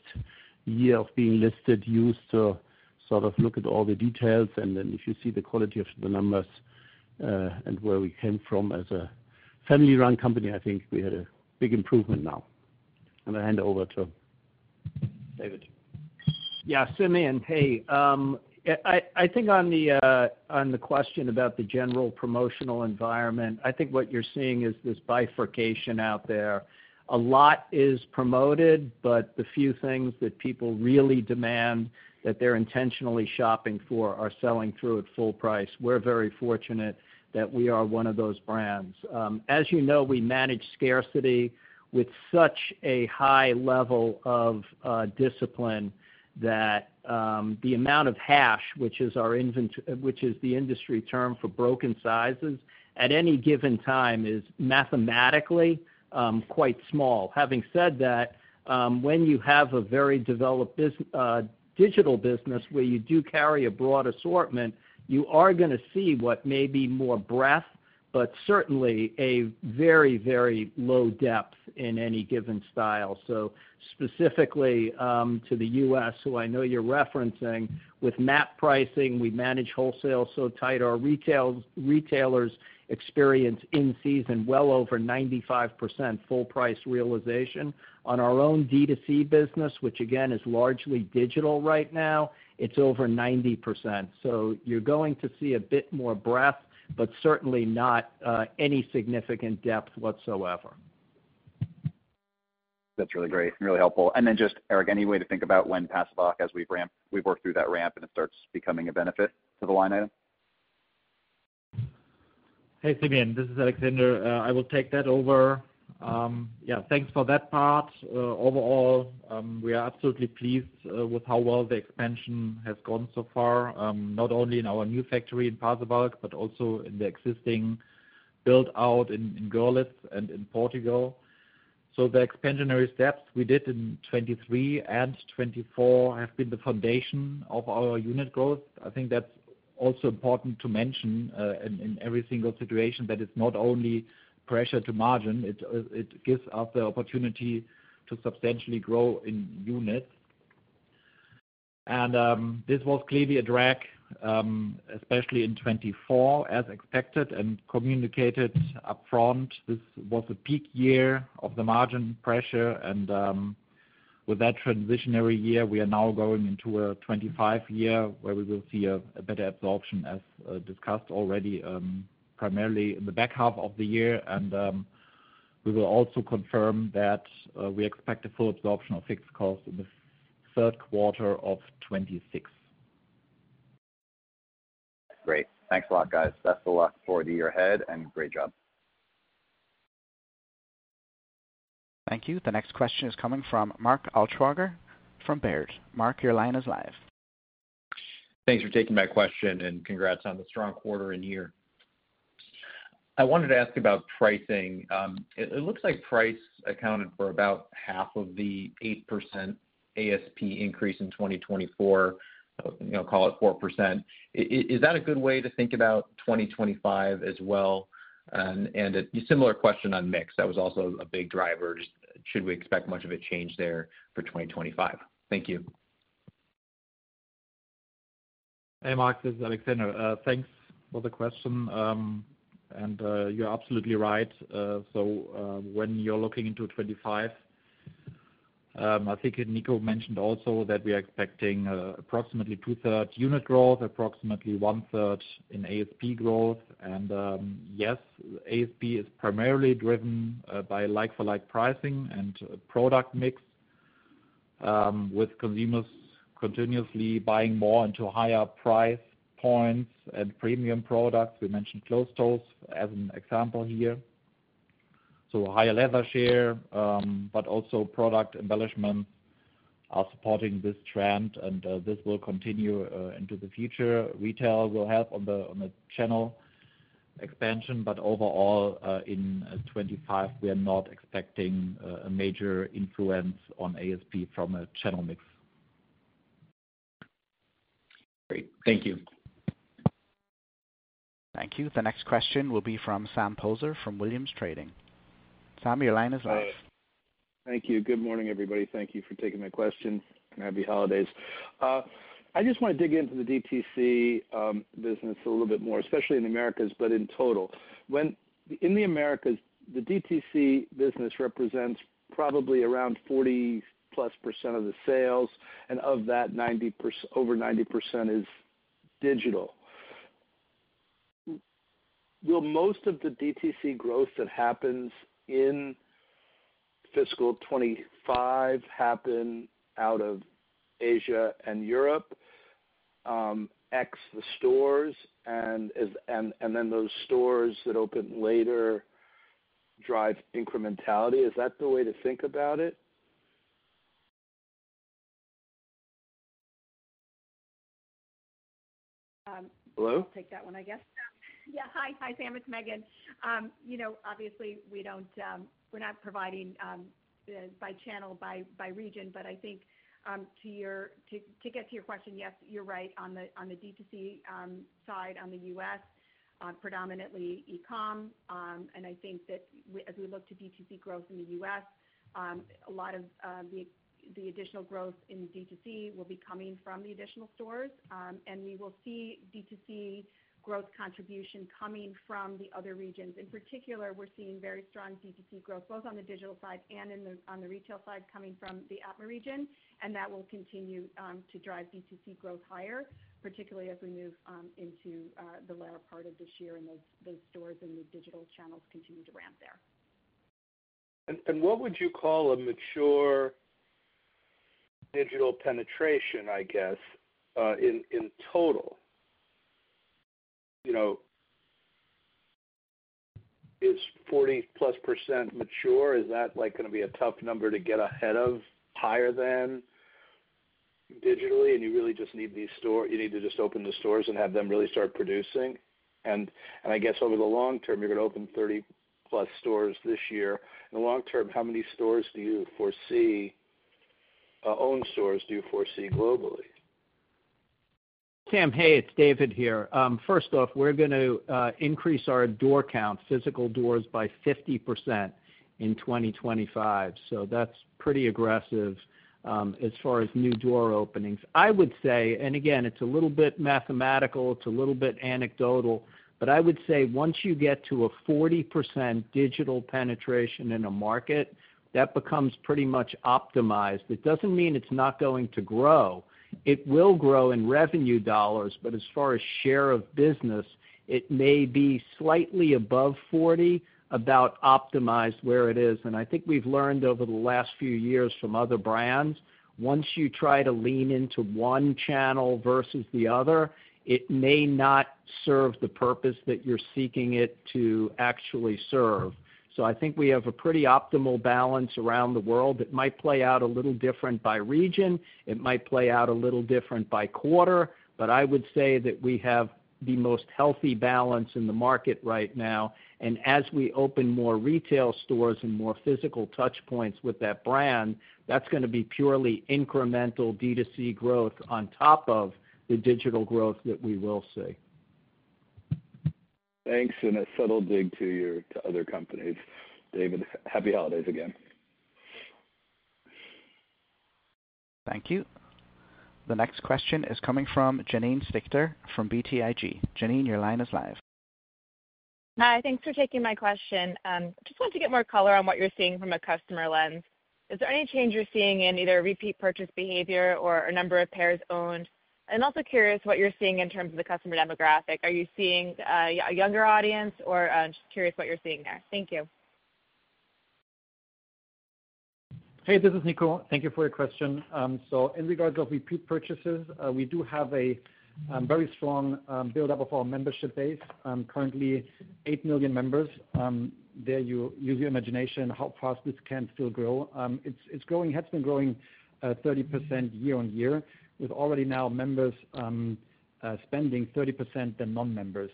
year of being listed used to sort of look at all the details. If you see the quality of the numbers and where we came from as a family-run company, I think we had a big improvement now. I hand over to David. Yeah. Simeon, hey. I think on the question about the general promotional environment, I think what you're seeing is this bifurcation out there. A lot is promoted, but the few things that people really demand that they're intentionally shopping for are selling through at full price. We're very fortunate that we are one of those brands. As you know, we manage scarcity with such a high level of discipline that the amount of hash, which is the industry term for broken sizes, at any given time is mathematically quite small. Having said that, when you have a very developed digital business where you do carry a broad assortment, you are going to see what may be more breadth, but certainly a very, very low depth in any given style. So specifically to the U.S., who I know you're referencing, with MAP pricing, we manage wholesale so tight. Our retailers experience in season well over 95% full price realization. On our own D2C business, which again is largely digital right now, it's over 90%. So you're going to see a bit more breadth, but certainly not any significant depth whatsoever. That's really great and really helpful. And then just, Erik, any way to think about when Pasewalk as we've worked through that ramp and it starts becoming a benefit to the line item? Hey, Simeon. This is Alexander. I will take that over. Yeah. Thanks for that part. Overall, we are absolutely pleased with how well the expansion has gone so far, not only in our new factory in Pasewalk, but also in the existing build-out in Görlitz and in Portugal. So the expansionary steps we did in 2023 and 2024 have been the foundation of our unit growth. I think that's also important to mention in every single situation that it's not only pressure to margin. It gives us the opportunity to substantially grow in units. And this was clearly a drag, especially in 2024, as expected and communicated upfront. This was a peak year of the margin pressure. And with that transitory year, we are now going into a 2025 year where we will see a better absorption, as discussed already, primarily in the back half of the year. We will also confirm that we expect a full absorption of fixed costs in the third quarter of 2026. Great. Thanks a lot, guys. Best of luck for the year ahead and great job. Thank you. The next question is coming from Mark Altschwager from Baird. Mark, your line is live. Thanks for taking my question and congrats on the strong quarter in here. I wanted to ask about pricing. It looks like price accounted for about half of the 8% ASP increase in 2024. I'll call it 4%. Is that a good way to think about 2025 as well? And a similar question on mix. That was also a big driver. Should we expect much of a change there for 2025? Thank you. Hey, Mark. This is Alexander. Thanks for the question. And you're absolutely right. So when you're looking into 2025, I think Niko mentioned also that we are expecting approximately two-thirds unit growth, approximately one-third in ASP growth. And yes, ASP is primarily driven by like-for-like pricing and product mix with consumers continuously buying more into higher price points and premium products. We mentioned close-toe as an example here. So higher leather share, but also product embellishments are supporting this trend, and this will continue into the future. Retail will help on the channel expansion, but overall, in 2025, we are not expecting a major influence on ASP from a channel mix. Great. Thank you. Thank you. The next question will be from Sam Poser from Williams Trading. Sam, your line is live. Thank you. Good morning, everybody. Thank you for taking my question. Happy holidays. I just want to dig into the DTC business a little bit more, especially in the Americas, but in total. In the Americas, the DTC business represents probably around 40+% of the sales, and of that, over 90% is digital. Will most of the DTC growth that happens in fiscal 2025 happen out of Asia and Europe, ex the stores, and then those stores that open later drive incrementality? Is that the way to think about it? Hello? I'll take that one, I guess. Yeah. Hi. Hi, Sam. It's Megan. Obviously, we're not providing by channel, by region, but I think to get to your question, yes, you're right. On the DTC side, on the U.S., predominantly e-com. I think that as we look to DTC growth in the US, a lot of the additional growth in DTC will be coming from the additional stores. We will see DTC growth contribution coming from the other regions. In particular, we're seeing very strong DTC growth, both on the digital side and on the retail side, coming from the APMA region. That will continue to drive DTC growth higher, particularly as we move into the latter part of this year and those stores and the digital channels continue to ramp there. What would you call a mature digital penetration, I guess, in total? Is 40-plus% mature? Is that going to be a tough number to get ahead of higher than digitally? You really just need these stores. You need to just open the stores and have them really start producing. I guess over the long term, you're going to open 30-plus stores this year. In the long term, how many stores do you foresee? Own stores do you foresee globally? Sam, hey, it's David here. First off, we're going to increase our door count, physical doors, by 50% in 2025. So that's pretty aggressive as far as new door openings. I would say, and again, it's a little bit mathematical, it's a little bit anecdotal, but I would say once you get to a 40% digital penetration in a market, that becomes pretty much optimized. It doesn't mean it's not going to grow. It will grow in revenue dollars, but as far as share of business, it may be slightly above 40%, about optimized where it is, and I think we've learned over the last few years from other brands, once you try to lean into one channel versus the other, it may not serve the purpose that you're seeking it to actually serve. So I think we have a pretty optimal balance around the world. It might play out a little different by region. It might play out a little different by quarter, but I would say that we have the most healthy balance in the market right now, and as we open more retail stores and more physical touchpoints with that brand, that's going to be purely incremental DTC growth on top of the digital growth that we will see. Thanks. And a subtle dig to other companies. David, happy holidays again. Thank you. The next question is coming from Janine Stichter from BTIG. Janine, your line is live. Hi. Thanks for taking my question. Just want to get more color on what you're seeing from a customer lens. Is there any change you're seeing in either repeat purchase behavior or a number of pairs owned? And also curious what you're seeing in terms of the customer demographic. Are you seeing a younger audience or just curious what you're seeing there? Thank you. Hey, this is Nico. Thank you for your question. So in regards of repeat purchases, we do have a very strong build-up of our membership base, currently eight million members. There you use your imagination how fast this can still grow. It's growing. It has been growing 30% year on year, with already now members spending 30% than non-members.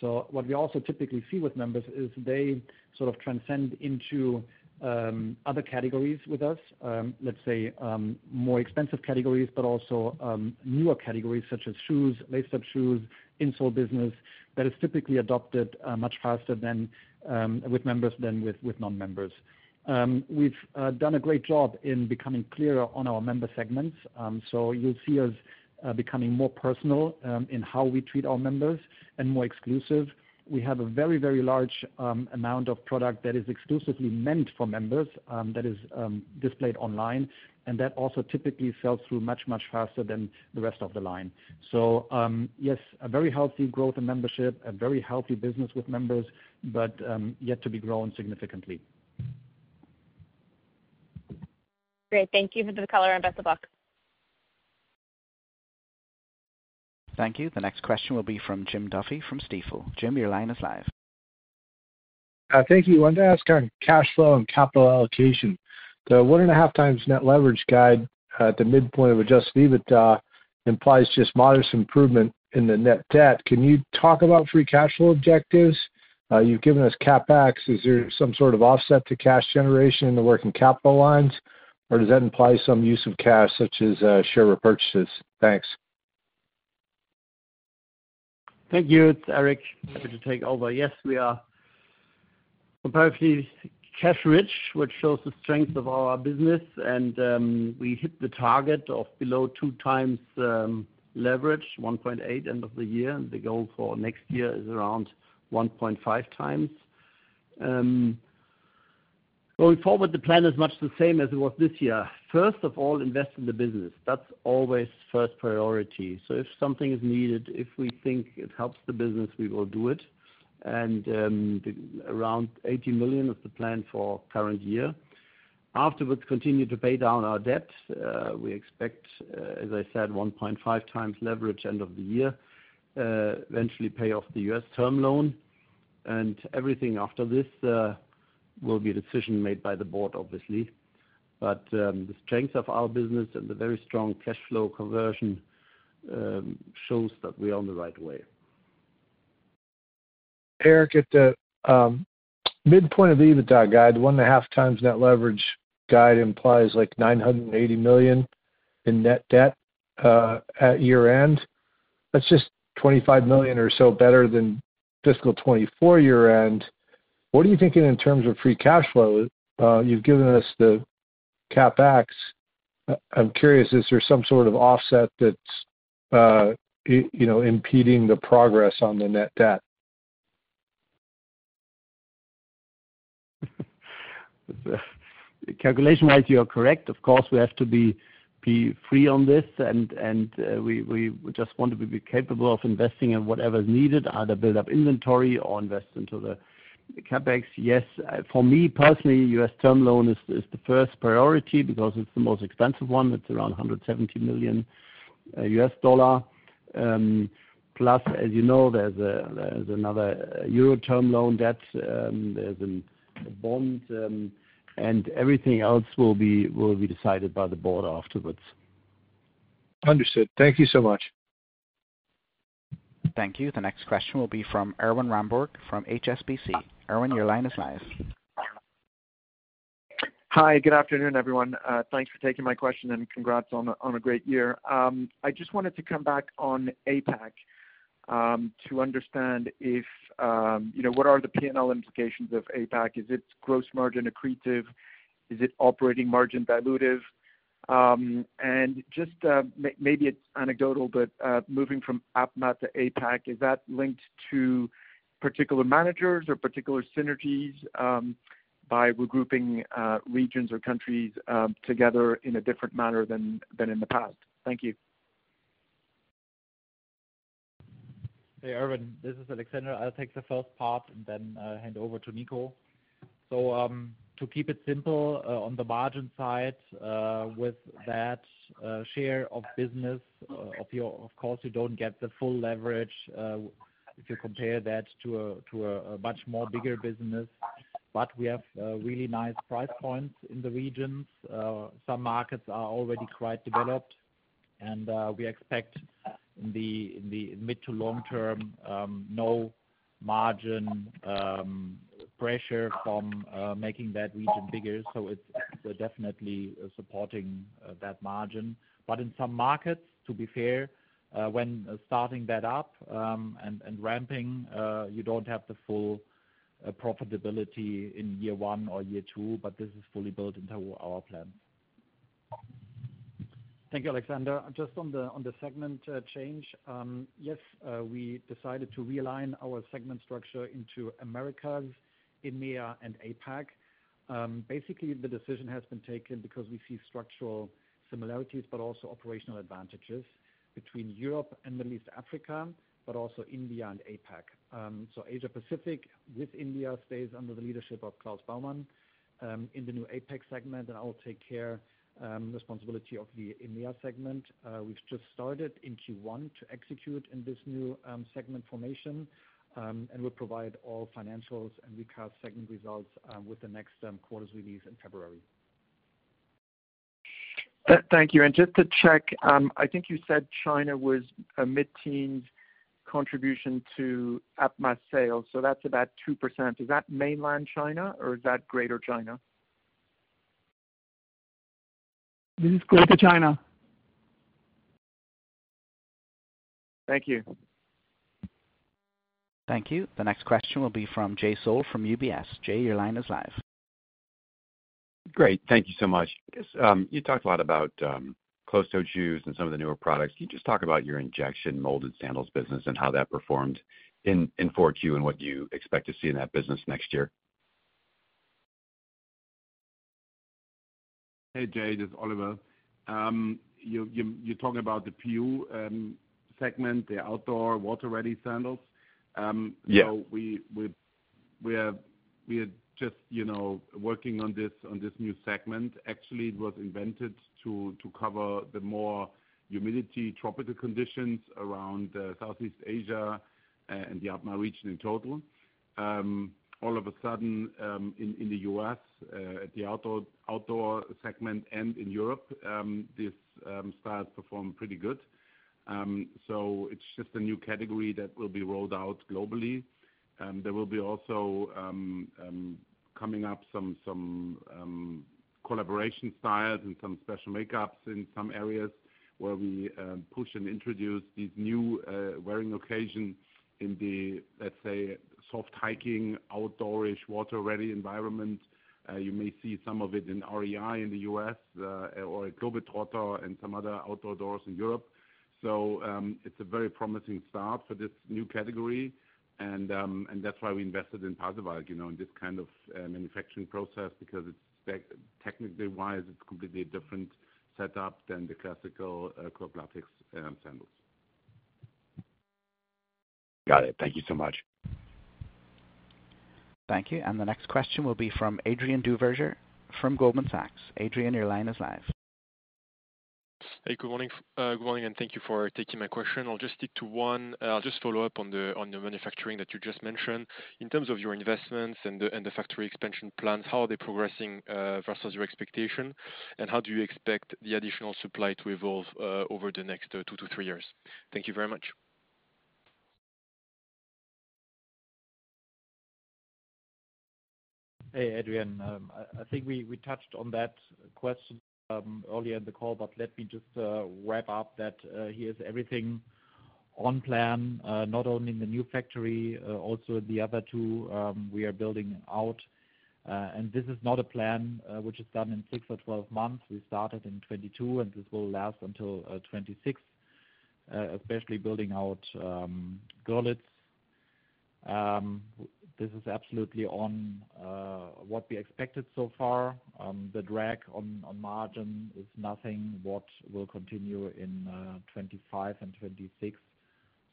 So what we also typically see with members is they sort of transcend into other categories with us, let's say more expensive categories, but also newer categories such as shoes, lace-up shoes, insole business that is typically adopted much faster with members than with non-members. We've done a great job in becoming clearer on our member segments. So you'll see us becoming more personal in how we treat our members and more exclusive. We have a very, very large amount of product that is exclusively meant for members that is displayed online, and that also typically sells through much, much faster than the rest of the line. So yes, a very healthy growth in membership, a very healthy business with members, but yet to be grown significantly. Great. Thank you for the color and best of luck. Thank you. The next question will be from Jim Duffy from Stifel. Jim, your line is live. Thank you. I wanted to ask on cash flow and capital allocation. The one and a half times net leverage guide at the midpoint of Adjusted EBITDA implies just modest improvement in the net debt. Can you talk about free cash flow objectives? You've given us CapEx. Is there some sort of offset to cash generation in the working capital lines, or does that imply some use of cash such as share repurchases? Thanks. Thank you. It's Erik. Happy to take over. Yes, we are comparatively cash-rich, which shows the strength of our business. And we hit the target of below two times leverage, 1.8 end of the year. And the goal for next year is around 1.5 times. Going forward, the plan is much the same as it was this year. First of all, invest in the business. That's always first priority. So if something is needed, if we think it helps the business, we will do it. And around 80 million is the plan for current year. Afterwards, continue to pay down our debt. We expect, as I said, 1.5 times leverage end of the year, eventually pay off the U.S. term loan. And everything after this will be a decision made by the board, obviously. The strength of our business and the very strong cash flow conversion shows that we are on the right way. Erik, at the midpoint of the EBITDA guide, one and a half times net leverage guide implies like 980 million in net debt at year-end. That's just 25 million or so better than fiscal 2024 year-end. What are you thinking in terms of free cash flow? You've given us the CapEx. I'm curious, is there some sort of offset that's impeding the progress on the net debt? Calculation-wise, you're correct. Of course, we have to be free on this, and we just want to be capable of investing in whatever's needed, either build-up inventory or invest into the CapEx. Yes, for me personally, U.S. term loan is the first priority because it's the most expensive one. It's around $170 million. Plus, as you know, there's another euro term loan debt. There's a bond, and everything else will be decided by the board afterwards. Understood. Thank you so much. Thank you. The next question will be from Erwan Rambourg from HSBC. Erwan, your line is live. Hi. Good afternoon, everyone. Thanks for taking my question and congrats on a great year. I just wanted to come back on APAC to understand what are the P&L implications of APAC? Is it gross margin accretive? Is it operating margin dilutive? And just maybe it's anecdotal, but moving from APMA to APAC, is that linked to particular managers or particular synergies by regrouping regions or countries together in a different manner than in the past? Thank you. Hey, Erwan. This is Alexander. I'll take the first part and then hand over to Nico. So to keep it simple, on the margin side with that share of business, of course, you don't get the full leverage if you compare that to a much more bigger business. But we have really nice price points in the regions. Some markets are already quite developed. And we expect in the mid to long term no margin pressure from making that region bigger. So it's definitely supporting that margin. But in some markets, to be fair, when starting that up and ramping, you don't have the full profitability in year one or year two, but this is fully built into our plan. Thank you, Alexander. Just on the segment change, yes, we decided to realign our segment structure into Americas, EMEA, and APAC. Basically, the decision has been taken because we see structural similarities, but also operational advantages between Europe and the Middle East and Africa, but also India and APAC. So Asia-Pacific with India stays under the leadership of Klaus Baumann in the new APAC segment, and I'll take care of the responsibility of the EMEA segment. We've just started in Q1 to execute in this new segment formation, and we'll provide all financials and recurring segment results with the next quarter's release in February. Thank you. And just to check, I think you said China was a mid-teens contribution to APMA sales. So that's about 2%. Is that mainland China, or is that Greater China? This is Greater China. Thank you. Thank you. The next question will be from Jay Sole from UBS. Jay, your line is live. Great. Thank you so much. You talked a lot about closed-toe shoes and some of the newer products. Can you just talk about your injection molded sandals business and how that performed in 4Q and what you expect to see in that business next year? Hey, Jay, this is Oliver. You're talking about the PU segment, the outdoor water-ready sandals? Yeah. So we are just working on this new segment. Actually, it was invented to cover the more humid tropical conditions around Southeast Asia and the APMA region in total. All of a sudden, in the U.S., at the outdoor segment and in Europe, these styles perform pretty good. So it's just a new category that will be rolled out globally. There will be also coming up some collaboration styles and some special makeups in some areas where we push and introduce these new wearing occasions in the, let's say, soft hiking, outdoorsy, water-ready environment. You may see some of it in REI in the U.S. or at Globetrotter and some other outdoor stores in Europe. So it's a very promising start for this new category. And that's why we invested in Pasewalk in this kind of manufacturing process because technically-wise, it's completely a different setup than the classical cork-latex sandals. Got it. Thank you so much. Thank you, and the next question will be from Adrien Duverger from Goldman Sachs. Adrien, your line is live. Hey, good morning. Good morning, and thank you for taking my question. I'll just stick to one. I'll just follow up on the manufacturing that you just mentioned. In terms of your investments and the factory expansion plans, how are they progressing versus your expectation? And how do you expect the additional supply to evolve over the next two to three years? Thank you very much. Hey, Adrien. I think we touched on that question earlier in the call, but let me just wrap up that here's everything on plan, not only in the new factory, also the other two we are building out. And this is not a plan which is done in 6 or 12 months. We started in 2022, and this will last until 2026, especially building out Görlitz. This is absolutely on what we expected so far. The drag on margin is nothing what will continue in 2025 and 2026.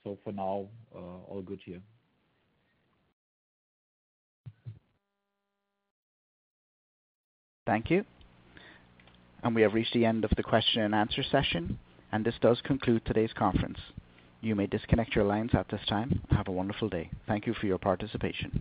So for now, all good here. Thank you. And we have reached the end of the question-and-answer session. And this does conclude today's conference. You may disconnect your lines at this time. Have a wonderful day. Thank you for your participation.